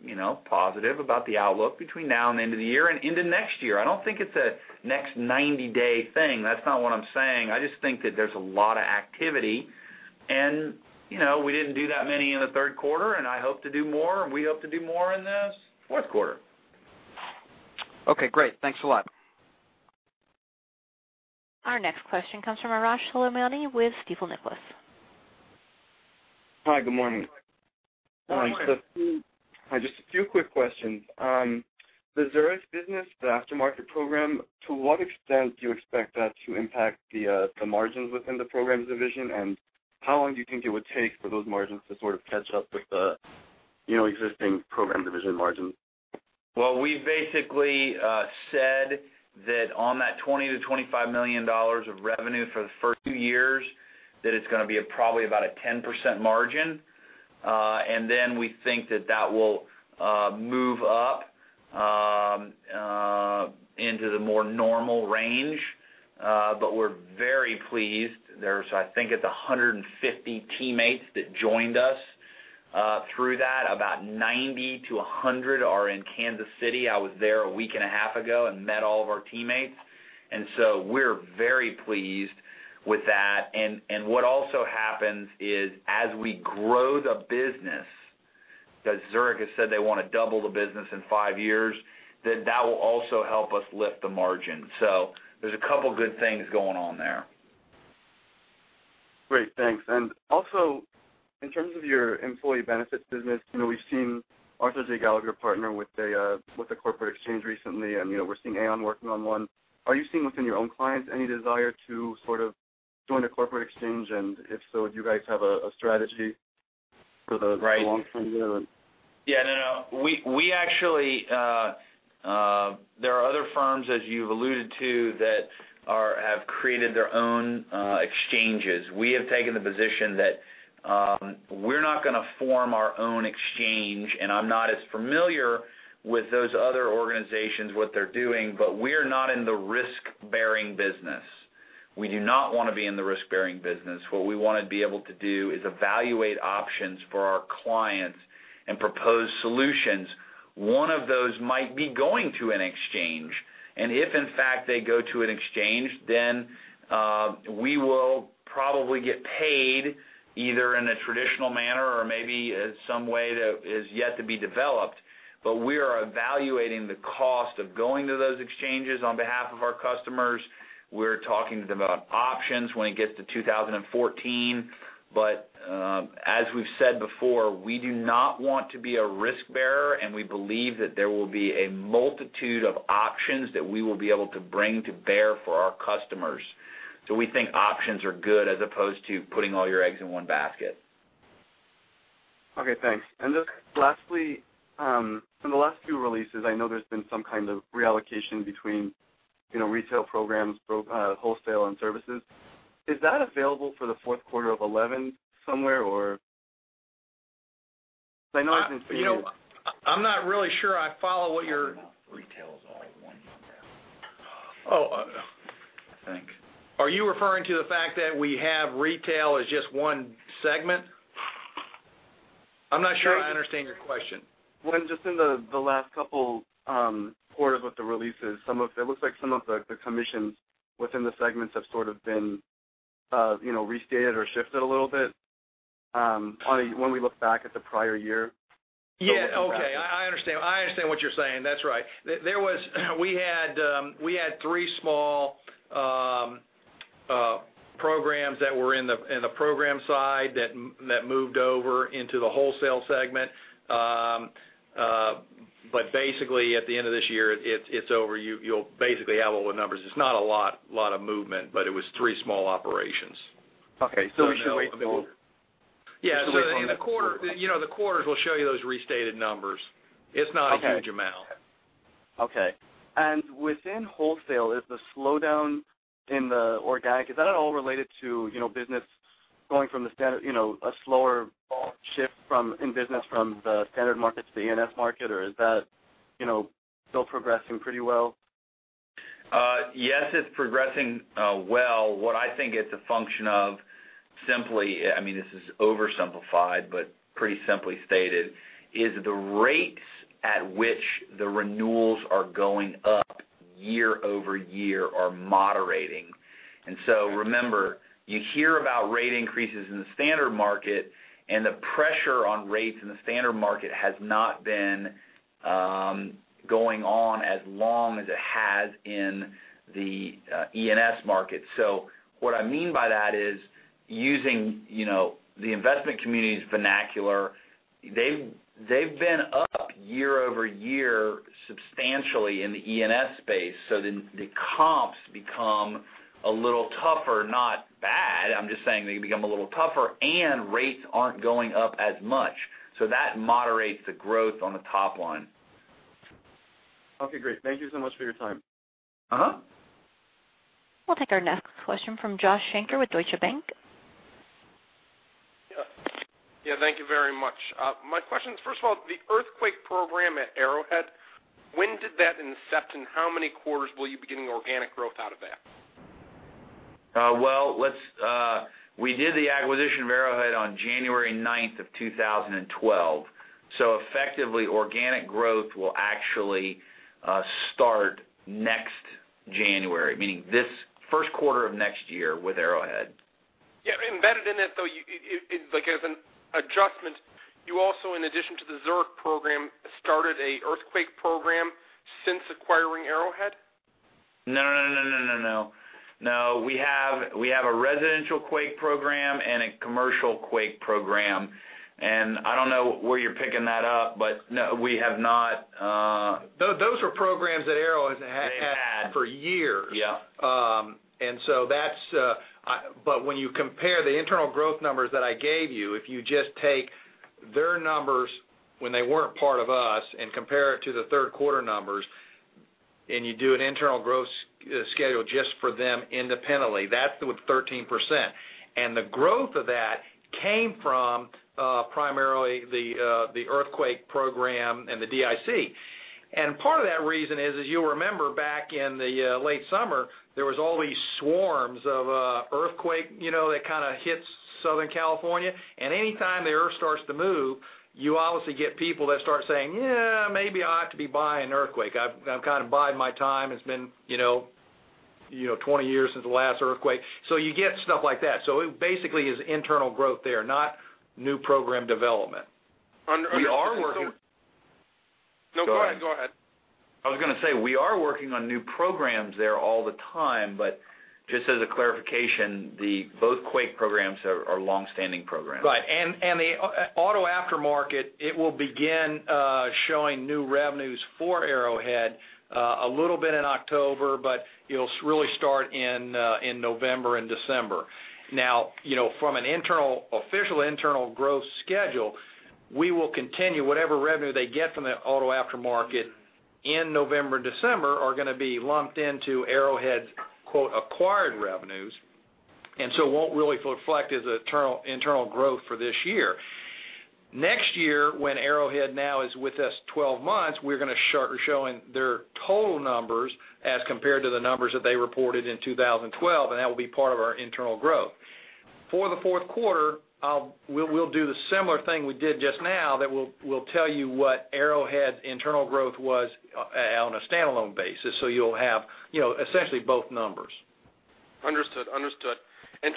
positive about the outlook between now and the end of the year and into next year. I don't think it's a next 90-day thing. That's not what I'm saying. I just think that there's a lot of activity, and we didn't do that many in the third quarter, and I hope to do more, and we hope to do more in the fourth quarter. Okay, great. Thanks a lot. Our next question comes from Arash Soleimani with Stifel Nicolaus. Hi, good morning. Good morning. Just a few quick questions. The Zurich business, the aftermarket program, to what extent do you expect that to impact the margins within the Programs division? How long do you think it would take for those margins to sort of catch up with the existing Programs division margin? We basically said that on that $20 million to $25 million of revenue for the first few years, that it's going to be probably about a 10% margin. We think that will move into the more normal range. We're very pleased. There's, I think it's 150 teammates that joined us through that. About 90 to 100 are in Kansas City. I was there a week and a half ago and met all of our teammates. We're very pleased with that. What also happens is, as we grow the business, because Zurich has said they want to double the business in five years, that will also help us lift the margin. There's a couple good things going on there. Great. Thanks. Also, in terms of your employee benefits business, we've seen Arthur J. Gallagher partner with a corporate exchange recently, we're seeing Aon working on one. Are you seeing within your own clients any desire to sort of join a corporate exchange? If so, do you guys have a strategy for the long term there? Yeah, no. There are other firms, as you've alluded to, that have created their own exchanges. We have taken the position that we're not going to form our own exchange, I'm not as familiar with those other organizations, what they're doing, we're not in the risk-bearing business. We do not want to be in the risk-bearing business. What we want to be able to do is evaluate options for our clients and propose solutions. One of those might be going to an exchange. If, in fact, they go to an exchange, we will probably get paid, either in a traditional manner or maybe some way that is yet to be developed. We are evaluating the cost of going to those exchanges on behalf of our customers. We're talking to them about options when it gets to 2014. As we've said before, we do not want to be a risk bearer, we believe that there will be a multitude of options that we will be able to bring to bear for our customers. We think options are good as opposed to putting all your eggs in one basket. Okay, thanks. Look, lastly, from the last few releases, I know there's been some kind of reallocation between retail programs, wholesale, and services. Is that available for the fourth quarter of 2011 somewhere? I'm not really sure I follow what you're- Talking about retail is all one program. Oh. I think. Are you referring to the fact that we have retail as just one segment? I'm not sure I understand your question. Well, just in the last couple quarters with the releases, it looks like some of the commissions within the segments have sort of been restated or shifted a little bit, when we look back at the prior year. Yeah. Okay. I understand what you're saying. That's right. We had three small programs that were in the program side that moved over into the wholesale segment. Basically, at the end of this year, it's over. You'll basically have all the numbers. It's not a lot of movement, but it was three small operations. Okay. We should wait till. Yeah. The quarters will show you those restated numbers. It's not a huge amount. Within wholesale, is the slowdown in the organic, is that at all related to business going from a slower shift in business from the standard market to the E&S market, or is that still progressing pretty well? Yes, it's progressing well. What I think it's a function of simply, this is oversimplified, but pretty simply stated, is the rates at which the renewals are going up year-over-year are moderating. Remember, you hear about rate increases in the standard market, and the pressure on rates in the standard market has not been going on as long as it has in the E&S market. What I mean by that is using the investment community's vernacular, they've been up year-over-year substantially in the E&S space, the comps become a little tougher. Not bad. I'm just saying they become a little tougher, and rates aren't going up as much. That moderates the growth on the top line. Okay, great. Thank you so much for your time. We'll take our next question from Josh Shanker with Deutsche Bank. Yeah, thank you very much. My question is, first of all, the earthquake program at Arrowhead, when did that incept, and how many quarters will you be getting organic growth out of that? We did the acquisition of Arrowhead on January 9th of 2012. Effectively, organic growth will actually start next January, meaning this first quarter of next year with Arrowhead. Yeah. Embedded in it, though, as an adjustment, you also, in addition to the Zurich program, started an earthquake program since acquiring Arrowhead? No. No, we have a residential quake program and a commercial quake program. I don't know where you're picking that up, but no, we have not. Those were programs that Arrow has had. They had for years. Yeah. When you compare the internal growth numbers that I gave you, if you just take their numbers when they weren't part of us and compare it to the third quarter numbers, and you do an internal growth schedule just for them independently, that's with 13%. The growth of that came from primarily the earthquake program and the DIC. Part of that reason is, as you'll remember, back in the late summer, there was all these swarms of earthquake, that kind of hits Southern California. Anytime the earth starts to move, you obviously get people that start saying, "Yeah, maybe I ought to be buying earthquake. I'm kind of biding my time. It's been 20 years since the last earthquake." You get stuff like that. It basically is internal growth there, not new program development. We are working. No, go ahead. I was going to say, we are working on new programs there all the time, but just as a clarification, both quake programs are longstanding programs. Right. The auto aftermarket, it will begin showing new revenues for Arrowhead, a little bit in October, but it'll really start in November and December. Now, from an official internal growth schedule, we will continue whatever revenue they get from the auto aftermarket in November and December are going to be lumped into Arrowhead's, quote, "acquired revenues." It won't really reflect as internal growth for this year. Next year, when Arrowhead now is with us 12 months, we're going to start showing their total numbers as compared to the numbers that they reported in 2012, That will be part of our internal growth. For the fourth quarter, we'll do the similar thing we did just now that we'll tell you what Arrowhead's internal growth was on a standalone basis. You'll have essentially both numbers. Understood.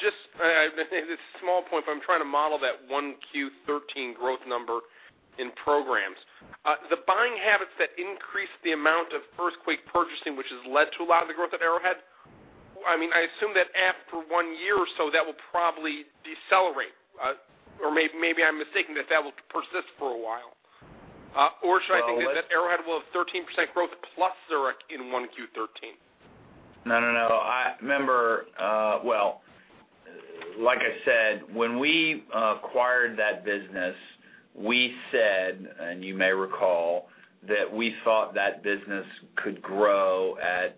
Just a small point, but I'm trying to model that 1Q 2013 growth number in programs. The buying habits that increase the amount of earthquake purchasing, which has led to a lot of the growth of Arrowhead, I assume that after 1 year or so, that will probably decelerate. Maybe I'm mistaken, that will persist for a while. Should I think that Arrowhead will have 13% growth plus Zurich in 1Q 2013? No. Remember, well, like I said, when we acquired that business, we said, and you may recall, that we thought that business could grow at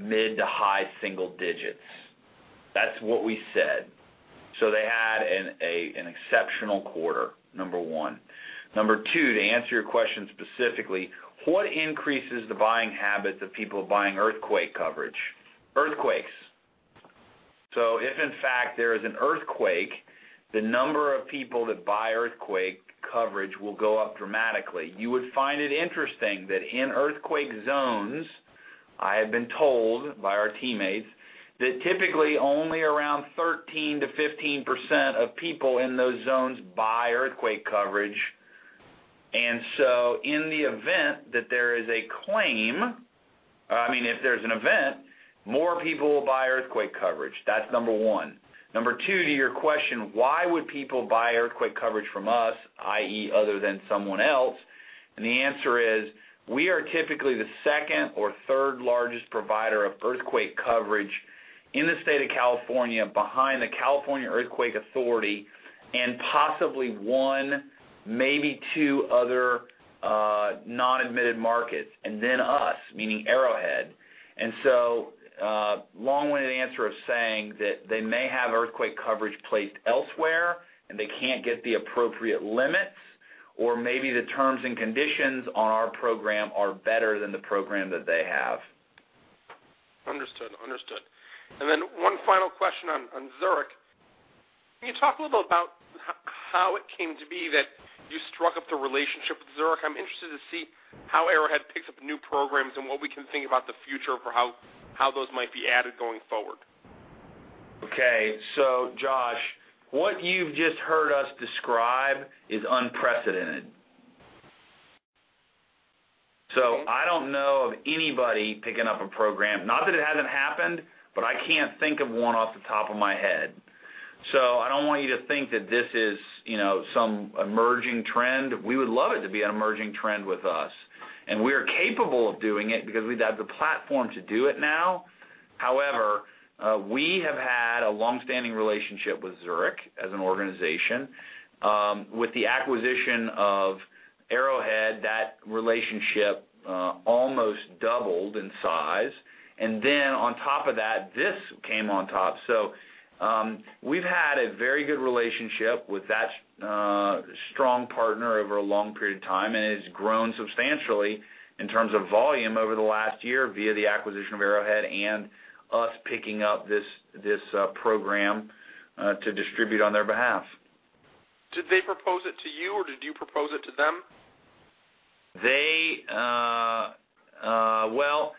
mid to high single digits. That's what we said. They had an exceptional quarter, number 1. Number 2, to answer your question specifically, what increases the buying habits of people buying earthquake coverage? Earthquakes. If in fact there is an earthquake, the number of people that buy earthquake coverage will go up dramatically. You would find it interesting that in earthquake zones, I have been told by our teammates, that typically only around 13%-15% of people in those zones buy earthquake coverage. In the event that there is a claim, if there's an event, more people will buy earthquake coverage. That's number 1. Number 2, to your question, why would people buy earthquake coverage from us, i.e., other than someone else? The answer is, we are typically the second or third largest provider of earthquake coverage in the state of California behind the California Earthquake Authority, possibly 1, maybe 2 other non-admitted markets, and then us, meaning Arrowhead. Long-winded answer of saying that they may have earthquake coverage placed elsewhere, and they can't get the appropriate limits, or maybe the terms and conditions on our program are better than the program that they have. Understood. Then 1 final question on Zurich. Can you talk a little about how it came to be that you struck up the relationship with Zurich? I'm interested to see how Arrowhead picks up new programs and what we can think about the future for how those might be added going forward. Okay. Josh, what you've just heard us describe is unprecedented. I don't know of anybody picking up a program, not that it hasn't happened, but I can't think of 1 off the top of my head. I don't want you to think that this is some emerging trend. We would love it to be an emerging trend with us. We are capable of doing it because we have the platform to do it now. However, we have had a longstanding relationship with Zurich as an organization. With the acquisition of Arrowhead, that relationship almost doubled in size. On top of that, this came on top. We've had a very good relationship with that strong partner over a long period of time, and it has grown substantially in terms of volume over the last year via the acquisition of Arrowhead and us picking up this program to distribute on their behalf. Did they propose it to you, or did you propose it to them? Well,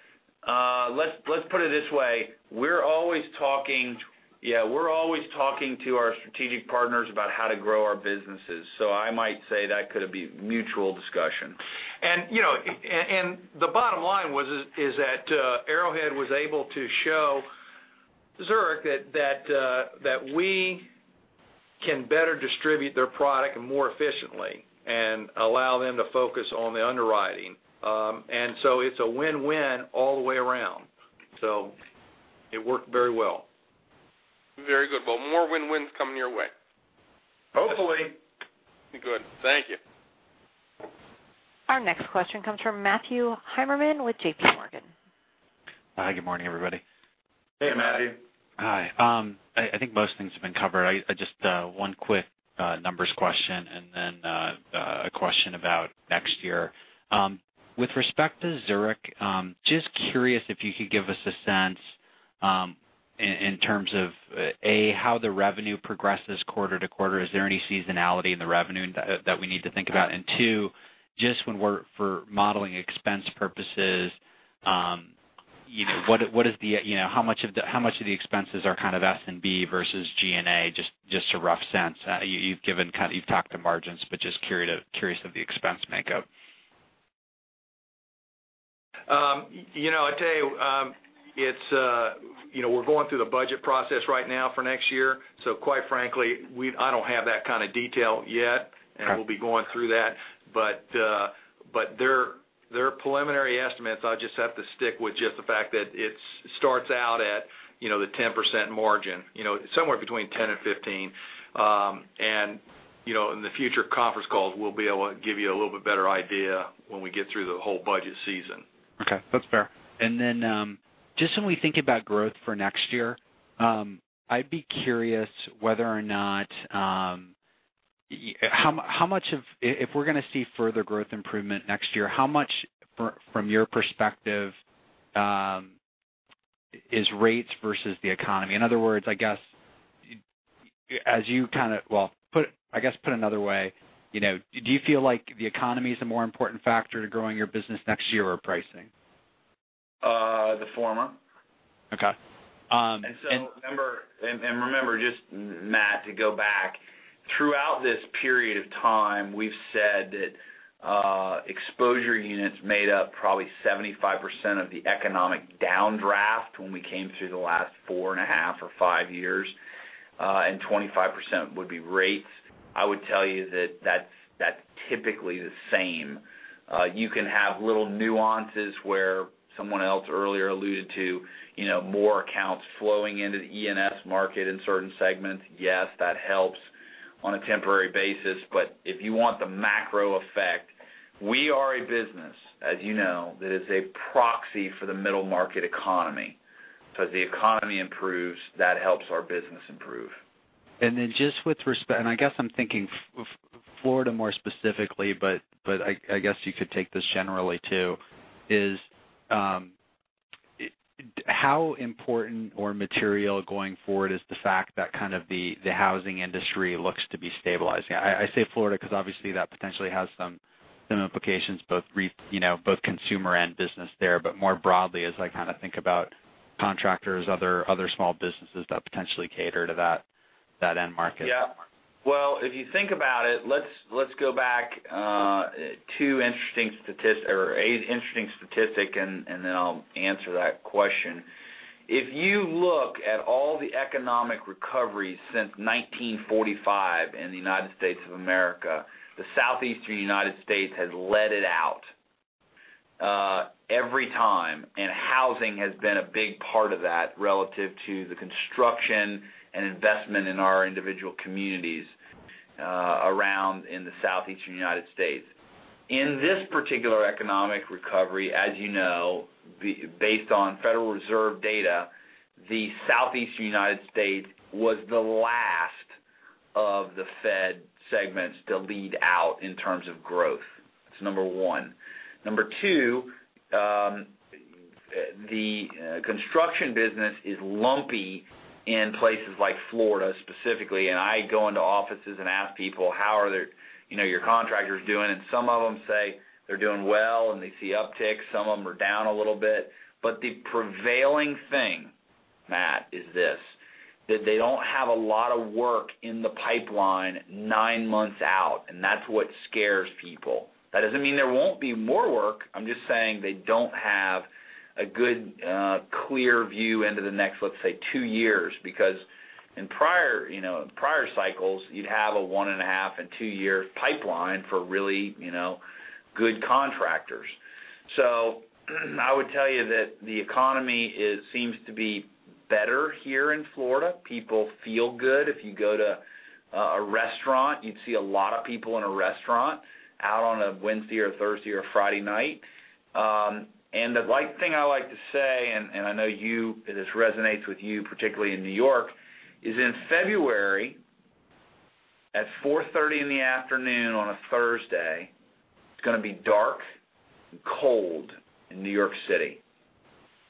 let's put it this way. We're always talking to our strategic partners about how to grow our businesses. I might say that could be a mutual discussion. The bottom line is that Arrowhead was able to show Zurich that we can better distribute their product more efficiently and allow them to focus on the underwriting. It's a win-win all the way around. It worked very well. Very good. Well, more win-wins coming your way. Hopefully. Good. Thank you. Our next question comes from Matthew Heimermann with J.P. Morgan. Hi, good morning, everybody. Hey, Matthew. Hi. I think most things have been covered. Just one quick numbers question and then a question about next year. With respect to Zurich, just curious if you could give us a sense, in terms of, A, how the revenue progresses quarter to quarter. Is there any seasonality in the revenue that we need to think about? Two, just for modeling expense purposes, how much of the expenses are kind of S&B versus G&A? Just a rough sense. You've talked the margins, but just curious of the expense makeup. I tell you, we're going through the budget process right now for next year. Quite frankly, I don't have that kind of detail yet. Okay. We'll be going through that. Their preliminary estimates, I'll just have to stick with just the fact that it starts out at the 10% margin. Somewhere between 10 and 15. In the future conference calls, we'll be able to give you a little bit better idea when we get through the whole budget season. Okay, that's fair. Just when we think about growth for next year, I'd be curious, if we're going to see further growth improvement next year, how much from your perspective, is rates versus the economy? In other words, I guess put another way, do you feel like the economy is a more important factor to growing your business next year or pricing? The former. Okay. Remember, just Matt, to go back, throughout this period of time, we've said that exposure units made up probably 75% of the economic downdraft when we came through the last four and a half or five years, and 25% would be rates. I would tell you that that's typically the same. You can have little nuances where someone else earlier alluded to more accounts flowing into the E&S market in certain segments. Yes, that helps on a temporary basis, but if you want the macro effect, we are a business, as you know, that is a proxy for the middle market economy. As the economy improves, that helps our business improve. Just with respect, and I guess I'm thinking Florida more specifically, but I guess you could take this generally, too, is how important or material going forward is the fact that kind of the housing industry looks to be stabilizing? I say Florida because obviously that potentially has some implications, both consumer and business there, but more broadly as I kind of think about contractors, other small businesses that potentially cater to that end market. Yeah. Well, if you think about it, let's go back to an interesting statistic. Then I'll answer that question. If you look at all the economic recoveries since 1945 in the United States of America, the Southeastern United States has led it out every time, and housing has been a big part of that relative to the construction and investment in our individual communities around in the Southeastern United States. In this particular economic recovery, as you know, based on Federal Reserve data, the Southeastern United States was the last of the Fed segments to lead out in terms of growth. That's number one. Number two, the construction business is lumpy in places like Florida specifically. I go into offices and ask people, "How are your contractors doing?" Some of them say they're doing well and they see upticks. Some of them are down a little bit. The prevailing thing, Matt, is this, that they don't have a lot of work in the pipeline nine months out, and that's what scares people. That doesn't mean there won't be more work. I'm just saying they don't have a good, clear view into the next, let's say, two years. Because in prior cycles, you'd have a one and a half and two-year pipeline for really good contractors. I would tell you that the economy seems to be better here in Florida. People feel good. If you go to a restaurant, you'd see a lot of people in a restaurant out on a Wednesday or Thursday or Friday night. The thing I like to say, and I know this resonates with you, particularly in New York, is in February, at 4:30 P.M. in the afternoon on a Thursday, it's going to be dark and cold in New York City.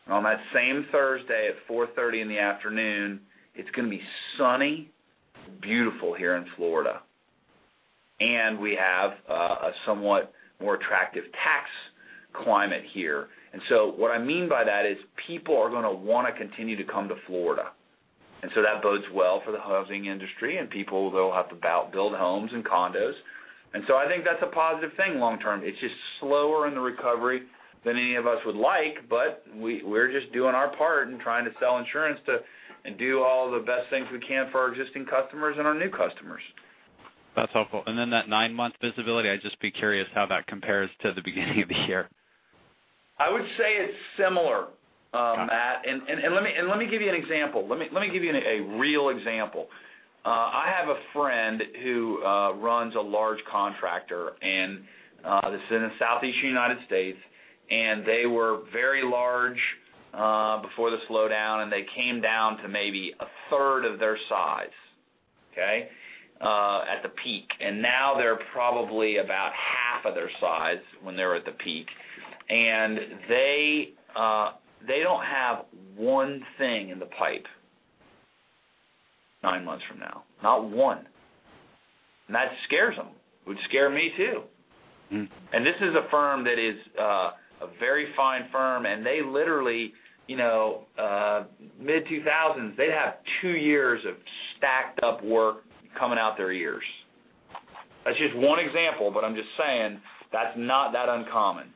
On that same Thursday at 4:30 P.M. in the afternoon, it's going to be sunny, beautiful here in Florida. We have a somewhat more attractive tax climate here. What I mean by that is people are going to want to continue to come to Florida. That bodes well for the housing industry, and people will have to build homes and condos. I think that's a positive thing long term. It's just slower in the recovery than any of us would like, but we're just doing our part and trying to sell insurance to do all the best things we can for our existing customers and our new customers. That's helpful. Then that nine-month visibility, I'd just be curious how that compares to the beginning of the year. I would say it's similar, Matt. Let me give you an example. Let me give you a real example. I have a friend who runs a large contractor, and this is in the Southeast U.S., and they were very large before the slowdown, and they came down to maybe a third of their size, okay? At the peak. Now they're probably about half of their size when they were at the peak. They don't have one thing in the pipe nine months from now, not one. That scares them. It would scare me, too. This is a firm that is a very fine firm, and they literally, mid-2000s, they'd have two years of stacked-up work coming out their ears. That's just one example, but I'm just saying that's not that uncommon. Okay.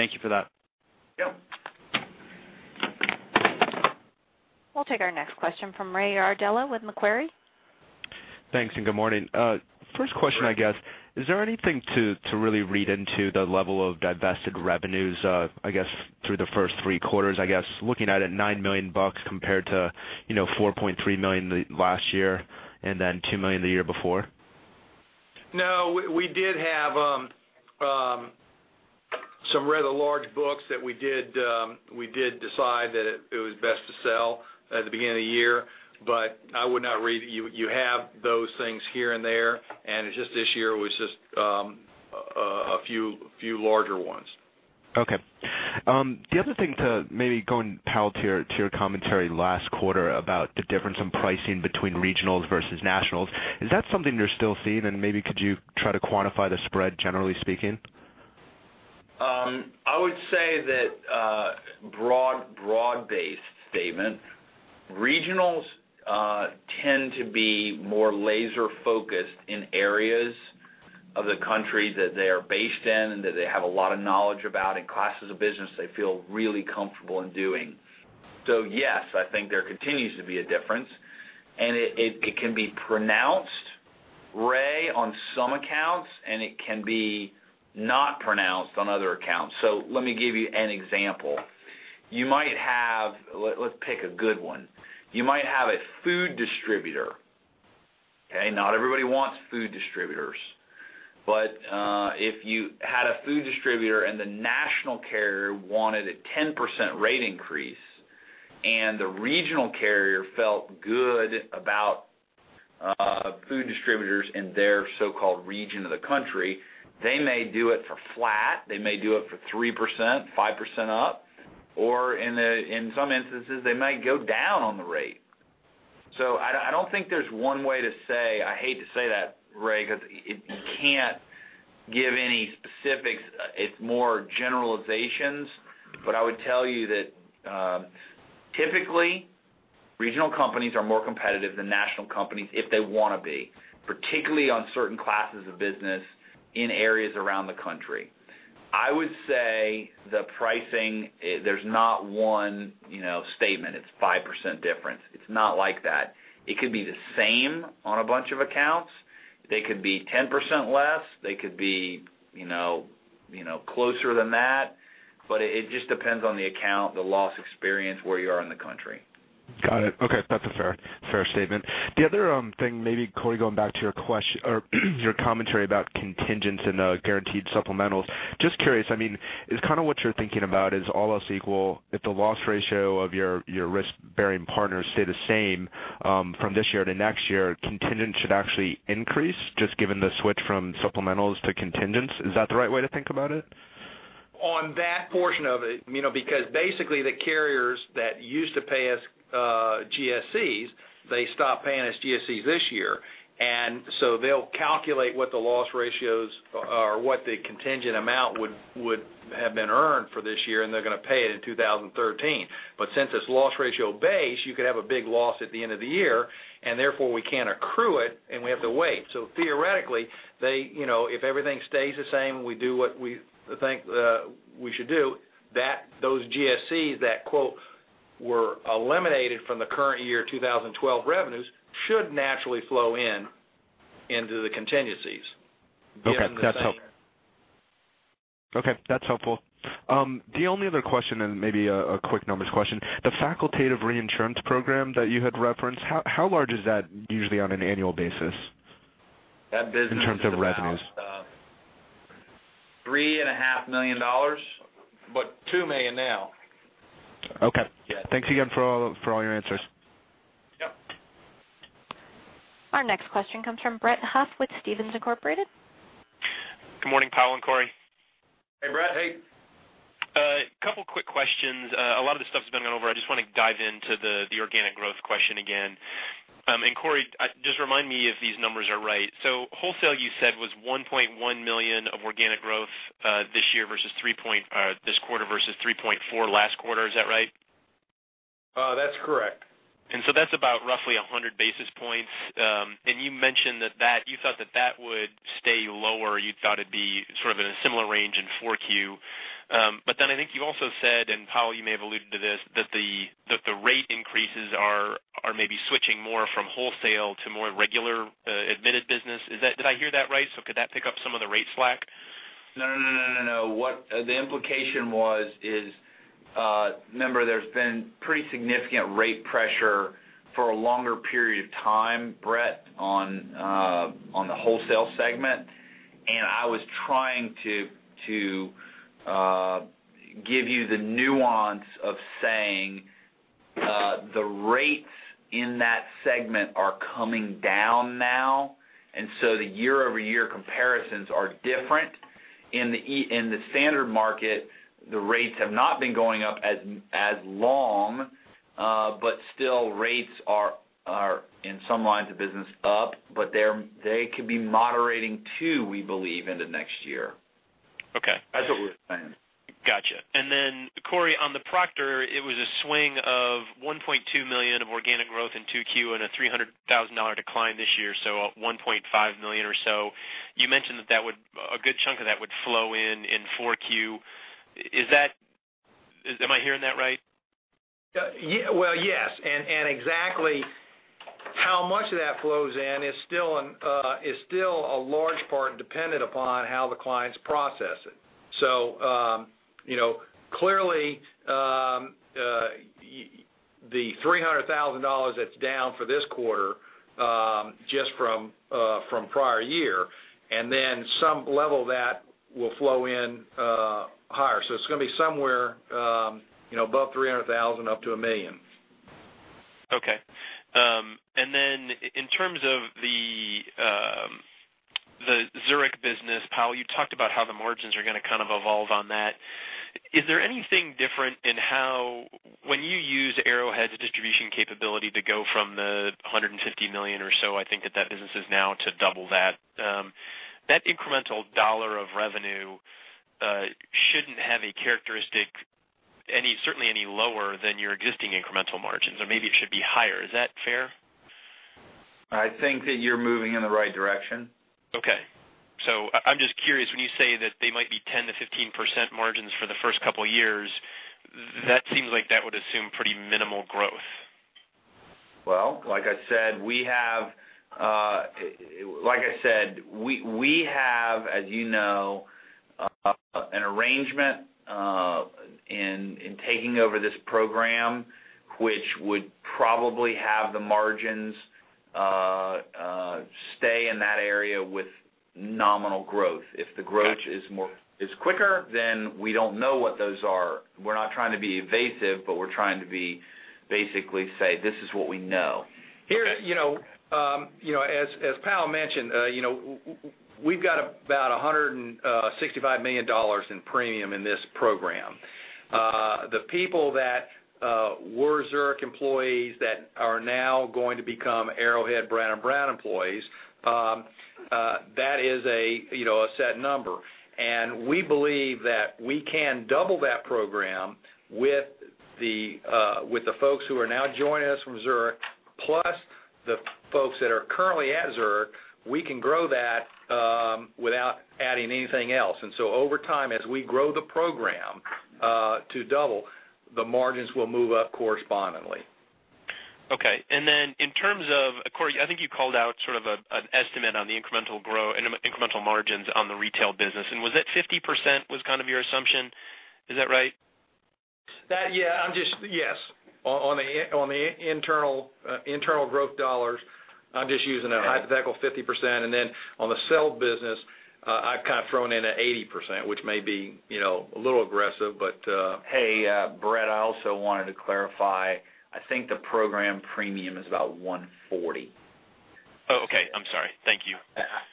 Thank you for that. Yep. We'll take our next question from Ray Ardella with Macquarie. Thanks, and good morning. Good morning. First question, I guess, is there anything to really read into the level of divested revenues, I guess, through the first three quarters, I guess, looking at it $9 million compared to $4.3 million last year and then $2 million the year before? No, we did have some rather large books that we did decide that it was best to sell at the beginning of the year. You have those things here and there, and it's just this year was a few larger ones. Okay. The other thing to maybe go and parallel to your commentary last quarter about the difference in pricing between regionals versus nationals, is that something you're still seeing? Maybe could you try to quantify the spread, generally speaking? I would say that broad-based statement, regionals tend to be more laser-focused in areas of the country that they are based in, that they have a lot of knowledge about, and classes of business they feel really comfortable in doing. Yes, I think there continues to be a difference, and it can be pronounced, Ray, on some accounts, and it can be not pronounced on other accounts. Let me give you an example. Let's pick a good one. You might have a food distributor, okay? Not everybody wants food distributors, but if you had a food distributor and the national carrier wanted a 10% rate increase, and the regional carrier felt good about food distributors in their so-called region of the country, they may do it for flat, they may do it for 3%, 5% up, or in some instances, they might go down on the rate. I don't think there's one way to say, I hate to say that, Ray, because you can't give any specifics. It's more generalizations. I would tell you that typically, regional companies are more competitive than national companies if they want to be, particularly on certain classes of business in areas around the country. I would say the pricing, there's not one statement. It's 5% difference. It's not like that. It could be the same on a bunch of accounts. They could be 10% less. They could be closer than that. It just depends on the account, the loss experience, where you are in the country. Got it. Okay. That's a fair statement. The other thing maybe, Cory, going back to your commentary about contingents and guaranteed supplementals. Just curious, is what you're thinking about is all else equal if the loss ratio of your risk-bearing partners stay the same from this year to next year, contingent should actually increase just given the switch from supplementals to contingents? Is that the right way to think about it? On that portion of it, because basically the carriers that used to pay us GSCs, they stopped paying us GSCs this year. They'll calculate what the loss ratios or what the contingent amount would have been earned for this year, and they're going to pay it in 2013. Since it's loss ratio-based, you could have a big loss at the end of the year, and therefore we can't accrue it, and we have to wait. Theoretically, if everything stays the same, we do what we think we should do, those GSCs that quote were eliminated from the current year 2012 revenues should naturally flow into the contingencies given the same- Okay. That's helpful. The only other question, and maybe a quick numbers question, the facultative reinsurance program that you had referenced, how large is that usually on an annual basis? That business is about- In terms of revenues $3.5 million, but $2 million now. Okay. Yeah. Thanks again for all your answers. Yep. Our next question comes from Brett Huff with Stephens Inc. Good morning, Powell and Cory. Hey, Brett. Hey. A couple quick questions. A lot of this stuff's been gone over. I just want to dive into the organic growth question again. Cory, just remind me if these numbers are right. Wholesale, you said, was $1.1 million of organic growth this quarter versus $3.4 million last quarter. Is that right? That's correct. That's about roughly 100 basis points. You mentioned that you thought that that would stay lower. You thought it'd be sort of in a similar range in 4Q. I think you also said, and Powell, you may have alluded to this, that the rate increases are maybe switching more from wholesale to more regular admitted business. Did I hear that right? Could that pick up some of the rate slack? No. What the implication was is, remember, there's been pretty significant rate pressure for a longer period of time, Brett, on the wholesale segment. I was trying to give you the nuance of saying the rates in that segment are coming down now, so the year-over-year comparisons are different. In the standard market, the rates have not been going up as long. Still, rates are, in some lines of business, up, but they could be moderating, too, we believe, into next year. Okay. That's what we're saying. Got you. Cory, on the Proctor, it was a swing of $1.2 million of organic growth in 2Q and a $300,000 decline this year, so $1.5 million or so. You mentioned that a good chunk of that would flow in in 4Q. Am I hearing that right? Well, yes. Exactly how much of that flows in is still a large part dependent upon how the clients process it. Clearly, the $300,000 that's down for this quarter, just from prior year, some level of that will flow in higher. It's going to be somewhere above $300,000 up to $1 million. Okay. In terms of the Zurich business, Powell, you talked about how the margins are going to kind of evolve on that. Is there anything different in how, when you use Arrowhead's distribution capability to go from the $150 million or so I think that that business is now, to double that incremental dollar of revenue shouldn't have a characteristic certainly any lower than your existing incremental margins. Maybe it should be higher. Is that fair? I think that you're moving in the right direction. Okay. I'm just curious, when you say that they might be 10%-15% margins for the first couple of years, that seems like that would assume pretty minimal growth. Like I said, we have, as you know, an arrangement in taking over this program, which would probably have the margins stay in that area with nominal growth. If the growth is quicker, we don't know what those are. We're not trying to be evasive, we're trying to basically say, "This is what we know. As Powell mentioned, we've got about $165 million in premium in this program. The people that were Zurich employees that are now going to become Arrowhead Brown & Brown employees, that is a set number. We believe that we can double that program with the folks who are now joining us from Zurich, plus the folks that are currently at Zurich, we can grow that without adding anything else. Over time, as we grow the program to double, the margins will move up correspondingly. Okay. In terms of, Cory, I think you called out sort of an estimate on the incremental margins on the retail business. Was it 50% was kind of your assumption? Is that right? Yes. On the internal growth dollars, I'm just using a hypothetical 50%. Then on the sell business, I've kind of thrown in an 80%, which may be a little aggressive. Hey, Brett, I also wanted to clarify, I think the program premium is about $140. Oh, okay. I'm sorry. Thank you.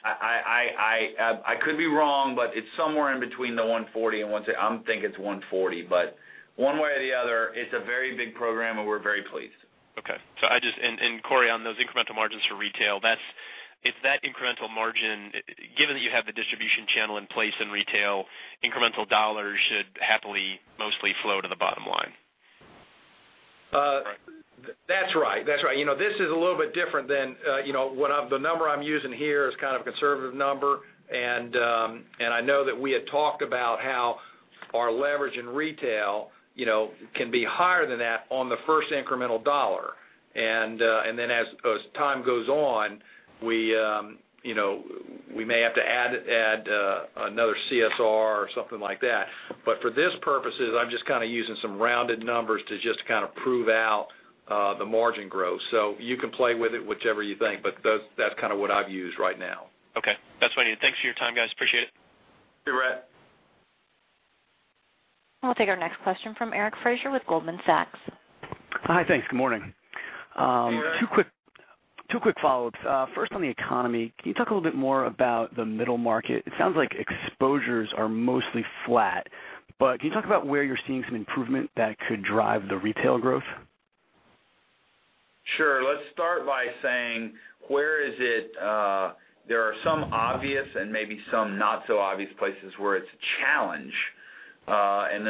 I could be wrong, it's somewhere in between the $140 and $160. I think it's $140. One way or the other, it's a very big program, and we're very pleased. Okay. Cory, on those incremental margins for retail, if that incremental margin, given that you have the distribution channel in place in retail, incremental dollars should happily mostly flow to the bottom line. That's right. This is a little bit different than the number I'm using here is kind of a conservative number, I know that we had talked about how our leverage in retail can be higher than that on the first incremental dollar. Then as time goes on, we may have to add another CSR or something like that. For this purposes, I'm just kind of using some rounded numbers to just kind of prove out the margin growth. You can play with it, whichever you think, but that's kind of what I've used right now. Okay. That's what I need. Thanks for your time, guys. Appreciate it. Sure, Brett. I'll take our next question from Eric Frazier with Goldman Sachs. Hi, thanks. Good morning. Hey, Eric. Two quick follow-ups. First, on the economy, can you talk a little bit more about the middle market? It sounds like exposures are mostly flat, but can you talk about where you're seeing some improvement that could drive the retail growth? Sure. Let's start by saying there are some obvious and maybe some not so obvious places where it's a challenge.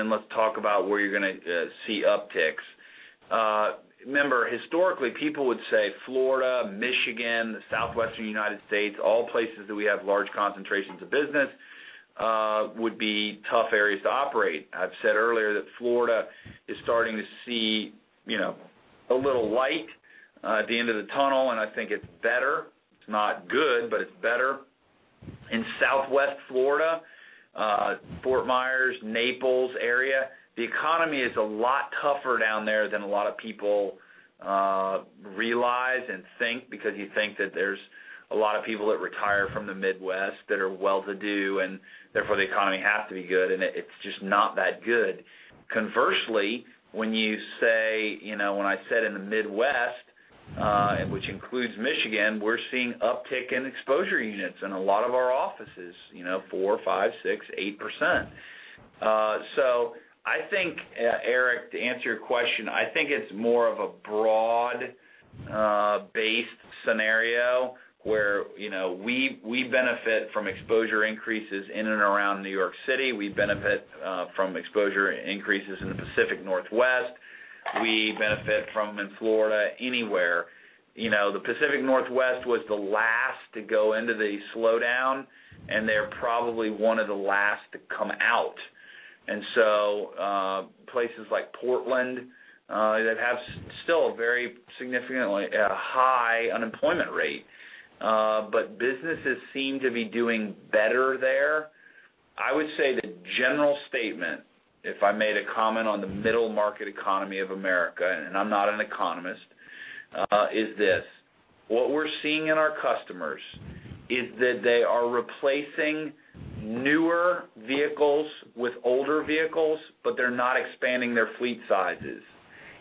Let's talk about where you're going to see upticks. Remember, historically, people would say Florida, Michigan, the southwestern United States, all places that we have large concentrations of business, would be tough areas to operate. I've said earlier that Florida is starting to see a little light at the end of the tunnel, and I think it's better. It's not good, but it's better. In Southwest Florida, Fort Myers, Naples area, the economy is a lot tougher down there than a lot of people realize and think, because you think that there's a lot of people that retire from the Midwest that are well-to-do, and therefore, the economy has to be good, and it's just not that good. Conversely, when I said in the Midwest, which includes Michigan, we're seeing uptick in exposure units in a lot of our offices, four, five, six, 8%. I think, Eric, to answer your question, I think it's more of a broad-based scenario where we benefit from exposure increases in and around New York City. We benefit from exposure increases in the Pacific Northwest. We benefit from them in Florida, anywhere. The Pacific Northwest was the last to go into the slowdown, and they're probably one of the last to come out. Places like Portland that have still a very significantly high unemployment rate, but businesses seem to be doing better there. I would say the general statement, if I made a comment on the middle market economy of America, and I'm not an economist, is this: what we're seeing in our customers is that they are replacing newer vehicles with older vehicles, but they're not expanding their fleet sizes.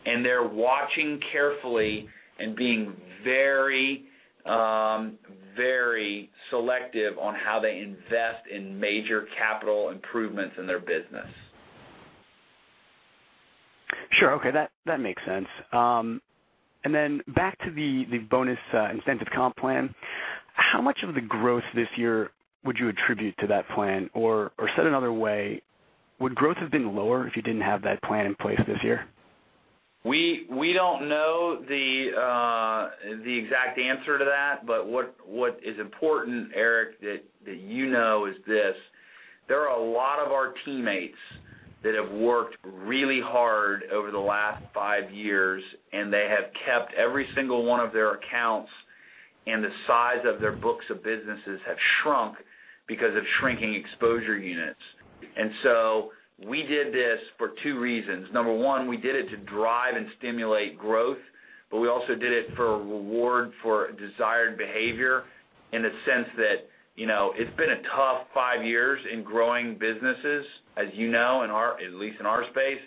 They're watching carefully and being very selective on how they invest in major capital improvements in their business. Sure. Okay. That makes sense. Back to the bonus incentive comp plan. How much of the growth this year would you attribute to that plan? Said another way, would growth have been lower if you didn't have that plan in place this year? We don't know the exact answer to that. What is important, Eric, that you know is this, there are a lot of our teammates that have worked really hard over the last five years. They have kept every single one of their accounts. The size of their books of businesses have shrunk because of shrinking exposure units. We did this for two reasons. Number one, we did it to drive and stimulate growth. We also did it for a reward for desired behavior in the sense that it's been a tough five years in growing businesses, as you know, at least in our space.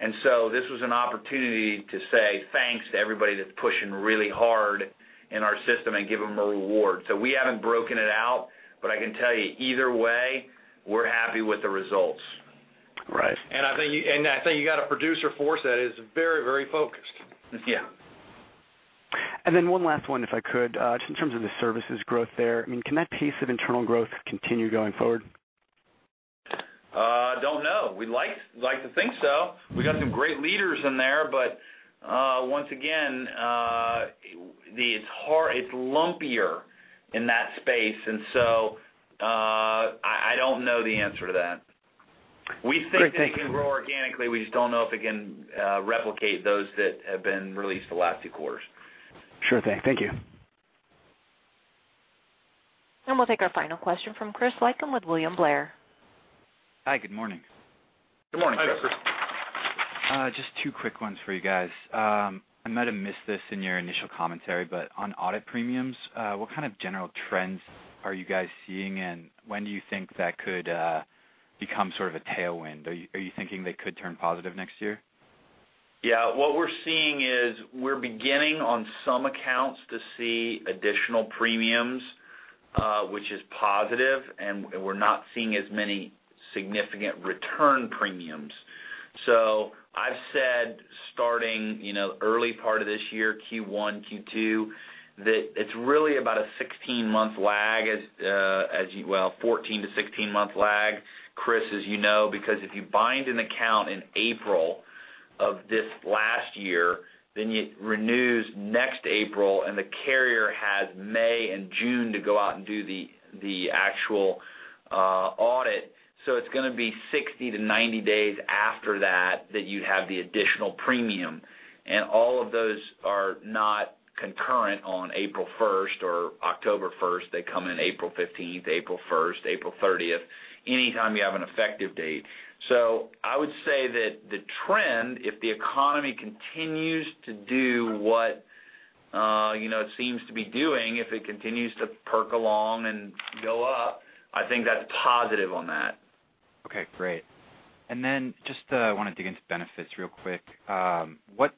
This was an opportunity to say thanks to everybody that's pushing really hard in our system and give them a reward. We haven't broken it out, I can tell you, either way, we're happy with the results. Right. I think you got a producer force that is very focused. Yeah. One last one, if I could, just in terms of the services growth there, can that pace of internal growth continue going forward? Don't know. We'd like to think so. We got some great leaders in there, but once again, it's lumpier in that space, and so I don't know the answer to that. Great. Thank you. We think it can grow organically. We just don't know if it can replicate those that have been released the last two quarters. Sure thing. Thank you. We'll take our final question from Adam Klauber with William Blair. Hi, good morning. Good morning, Adam. Hi, Adam. Just two quick ones for you guys. I might have missed this in your initial commentary, on audit premiums, what kind of general trends are you guys seeing, and when do you think that could become sort of a tailwind? Are you thinking they could turn positive next year? Yeah. What we're seeing is we're beginning on some accounts to see additional premiums, which is positive, and we're not seeing as many significant return premiums. I've said starting early part of this year, Q1, Q2, that it's really about a 16-month lag, a 14- to 16-month lag, Adam, as you know. Because if you bind an account in April of this last year, then it renews next April, and the carrier has May and June to go out and do the actual audit. It's going to be 60-90 days after that you'd have the additional premium. All of those are not concurrent on April 1 or October 1. They come in April 15, April 1, April 30, anytime you have an effective date. I would say that the trend, if the economy continues to do what it seems to be doing, if it continues to perk along and go up, I think that's positive on that. Okay, great. Just want to dig into benefits real quick. What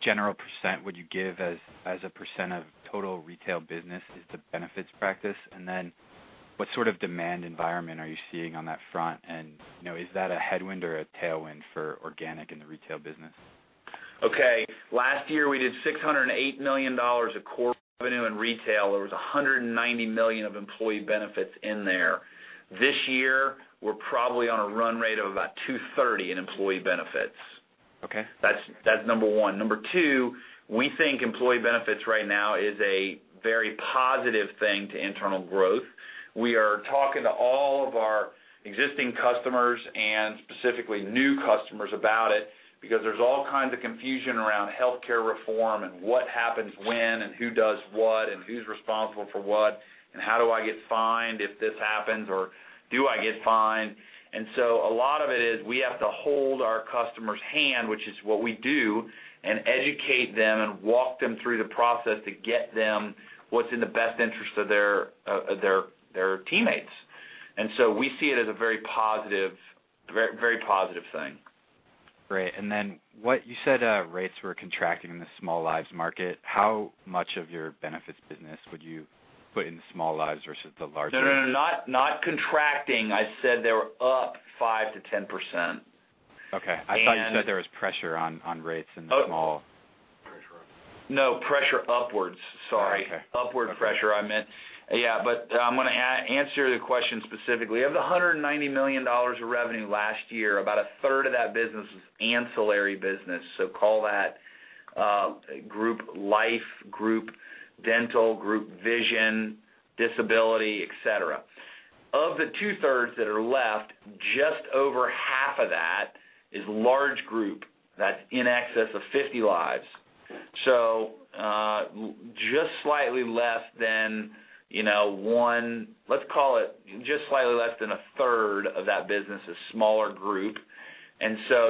general % would you give as a % of total retail business is the benefits practice? What sort of demand environment are you seeing on that front? Is that a headwind or a tailwind for organic in the retail business? Okay. Last year, we did $608 million of core revenue in retail. There was $190 million of employee benefits in there. This year, we're probably on a run rate of about $230 in employee benefits. Okay. That's number 1. Number 2, we think employee benefits right now is a very positive thing to internal growth. We are talking to all of our existing customers, and specifically new customers about it, because there's all kinds of confusion around healthcare reform and what happens when, and who does what, and who's responsible for what, and how do I get fined if this happens, or do I get fined? A lot of it is we have to hold our customer's hand, which is what we do, and educate them and walk them through the process to get them what's in the best interest of their teammates. We see it as a very positive thing. Great. Then you said rates were contracting in the small lives market. How much of your benefits business would you put in small lives versus the large lives? No. Not contracting. I said they were up 5%-10%. Okay. I thought you said there was pressure on rates in the small- No. Pressure upwards. Sorry. Oh, okay. Upward pressure, I meant. Yeah, I'm going to answer the question specifically. Of the $190 million of revenue last year, about a third of that business is ancillary business, so call that group life, group dental, group vision, disability, et cetera. Of the two-thirds that are left, just over half of that is large group, that's in excess of 50 lives. Just slightly less than one let's call it just slightly less than a third of that business is smaller group.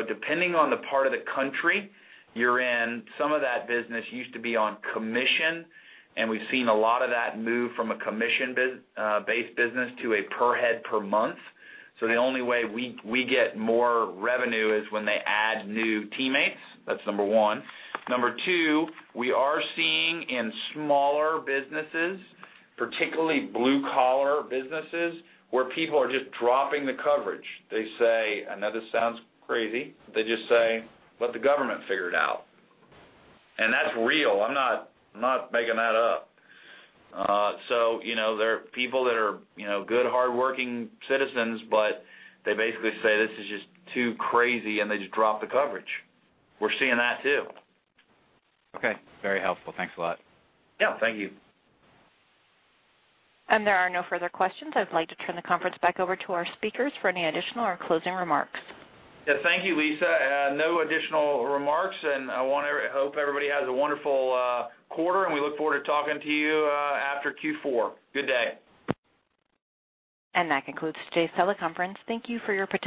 Depending on the part of the country you're in, some of that business used to be on commission, and we've seen a lot of that move from a commission-based business to a per head per month. The only way we get more revenue is when they add new teammates. That's number one. Number two, we are seeing in smaller businesses, particularly blue collar businesses, where people are just dropping the coverage. They say, I know this sounds crazy, they just say, "Let the government figure it out." That's real. I'm not making that up. There are people that are good, hardworking citizens, but they basically say, "This is just too crazy," and they just drop the coverage. We're seeing that, too. Okay. Very helpful. Thanks a lot. Yeah. Thank you. There are no further questions. I'd like to turn the conference back over to our speakers for any additional or closing remarks. Yeah. Thank you, Lisa. No additional remarks. I hope everybody has a wonderful quarter. We look forward to talking to you after Q4. Good day. That concludes today's teleconference. Thank you for your participation.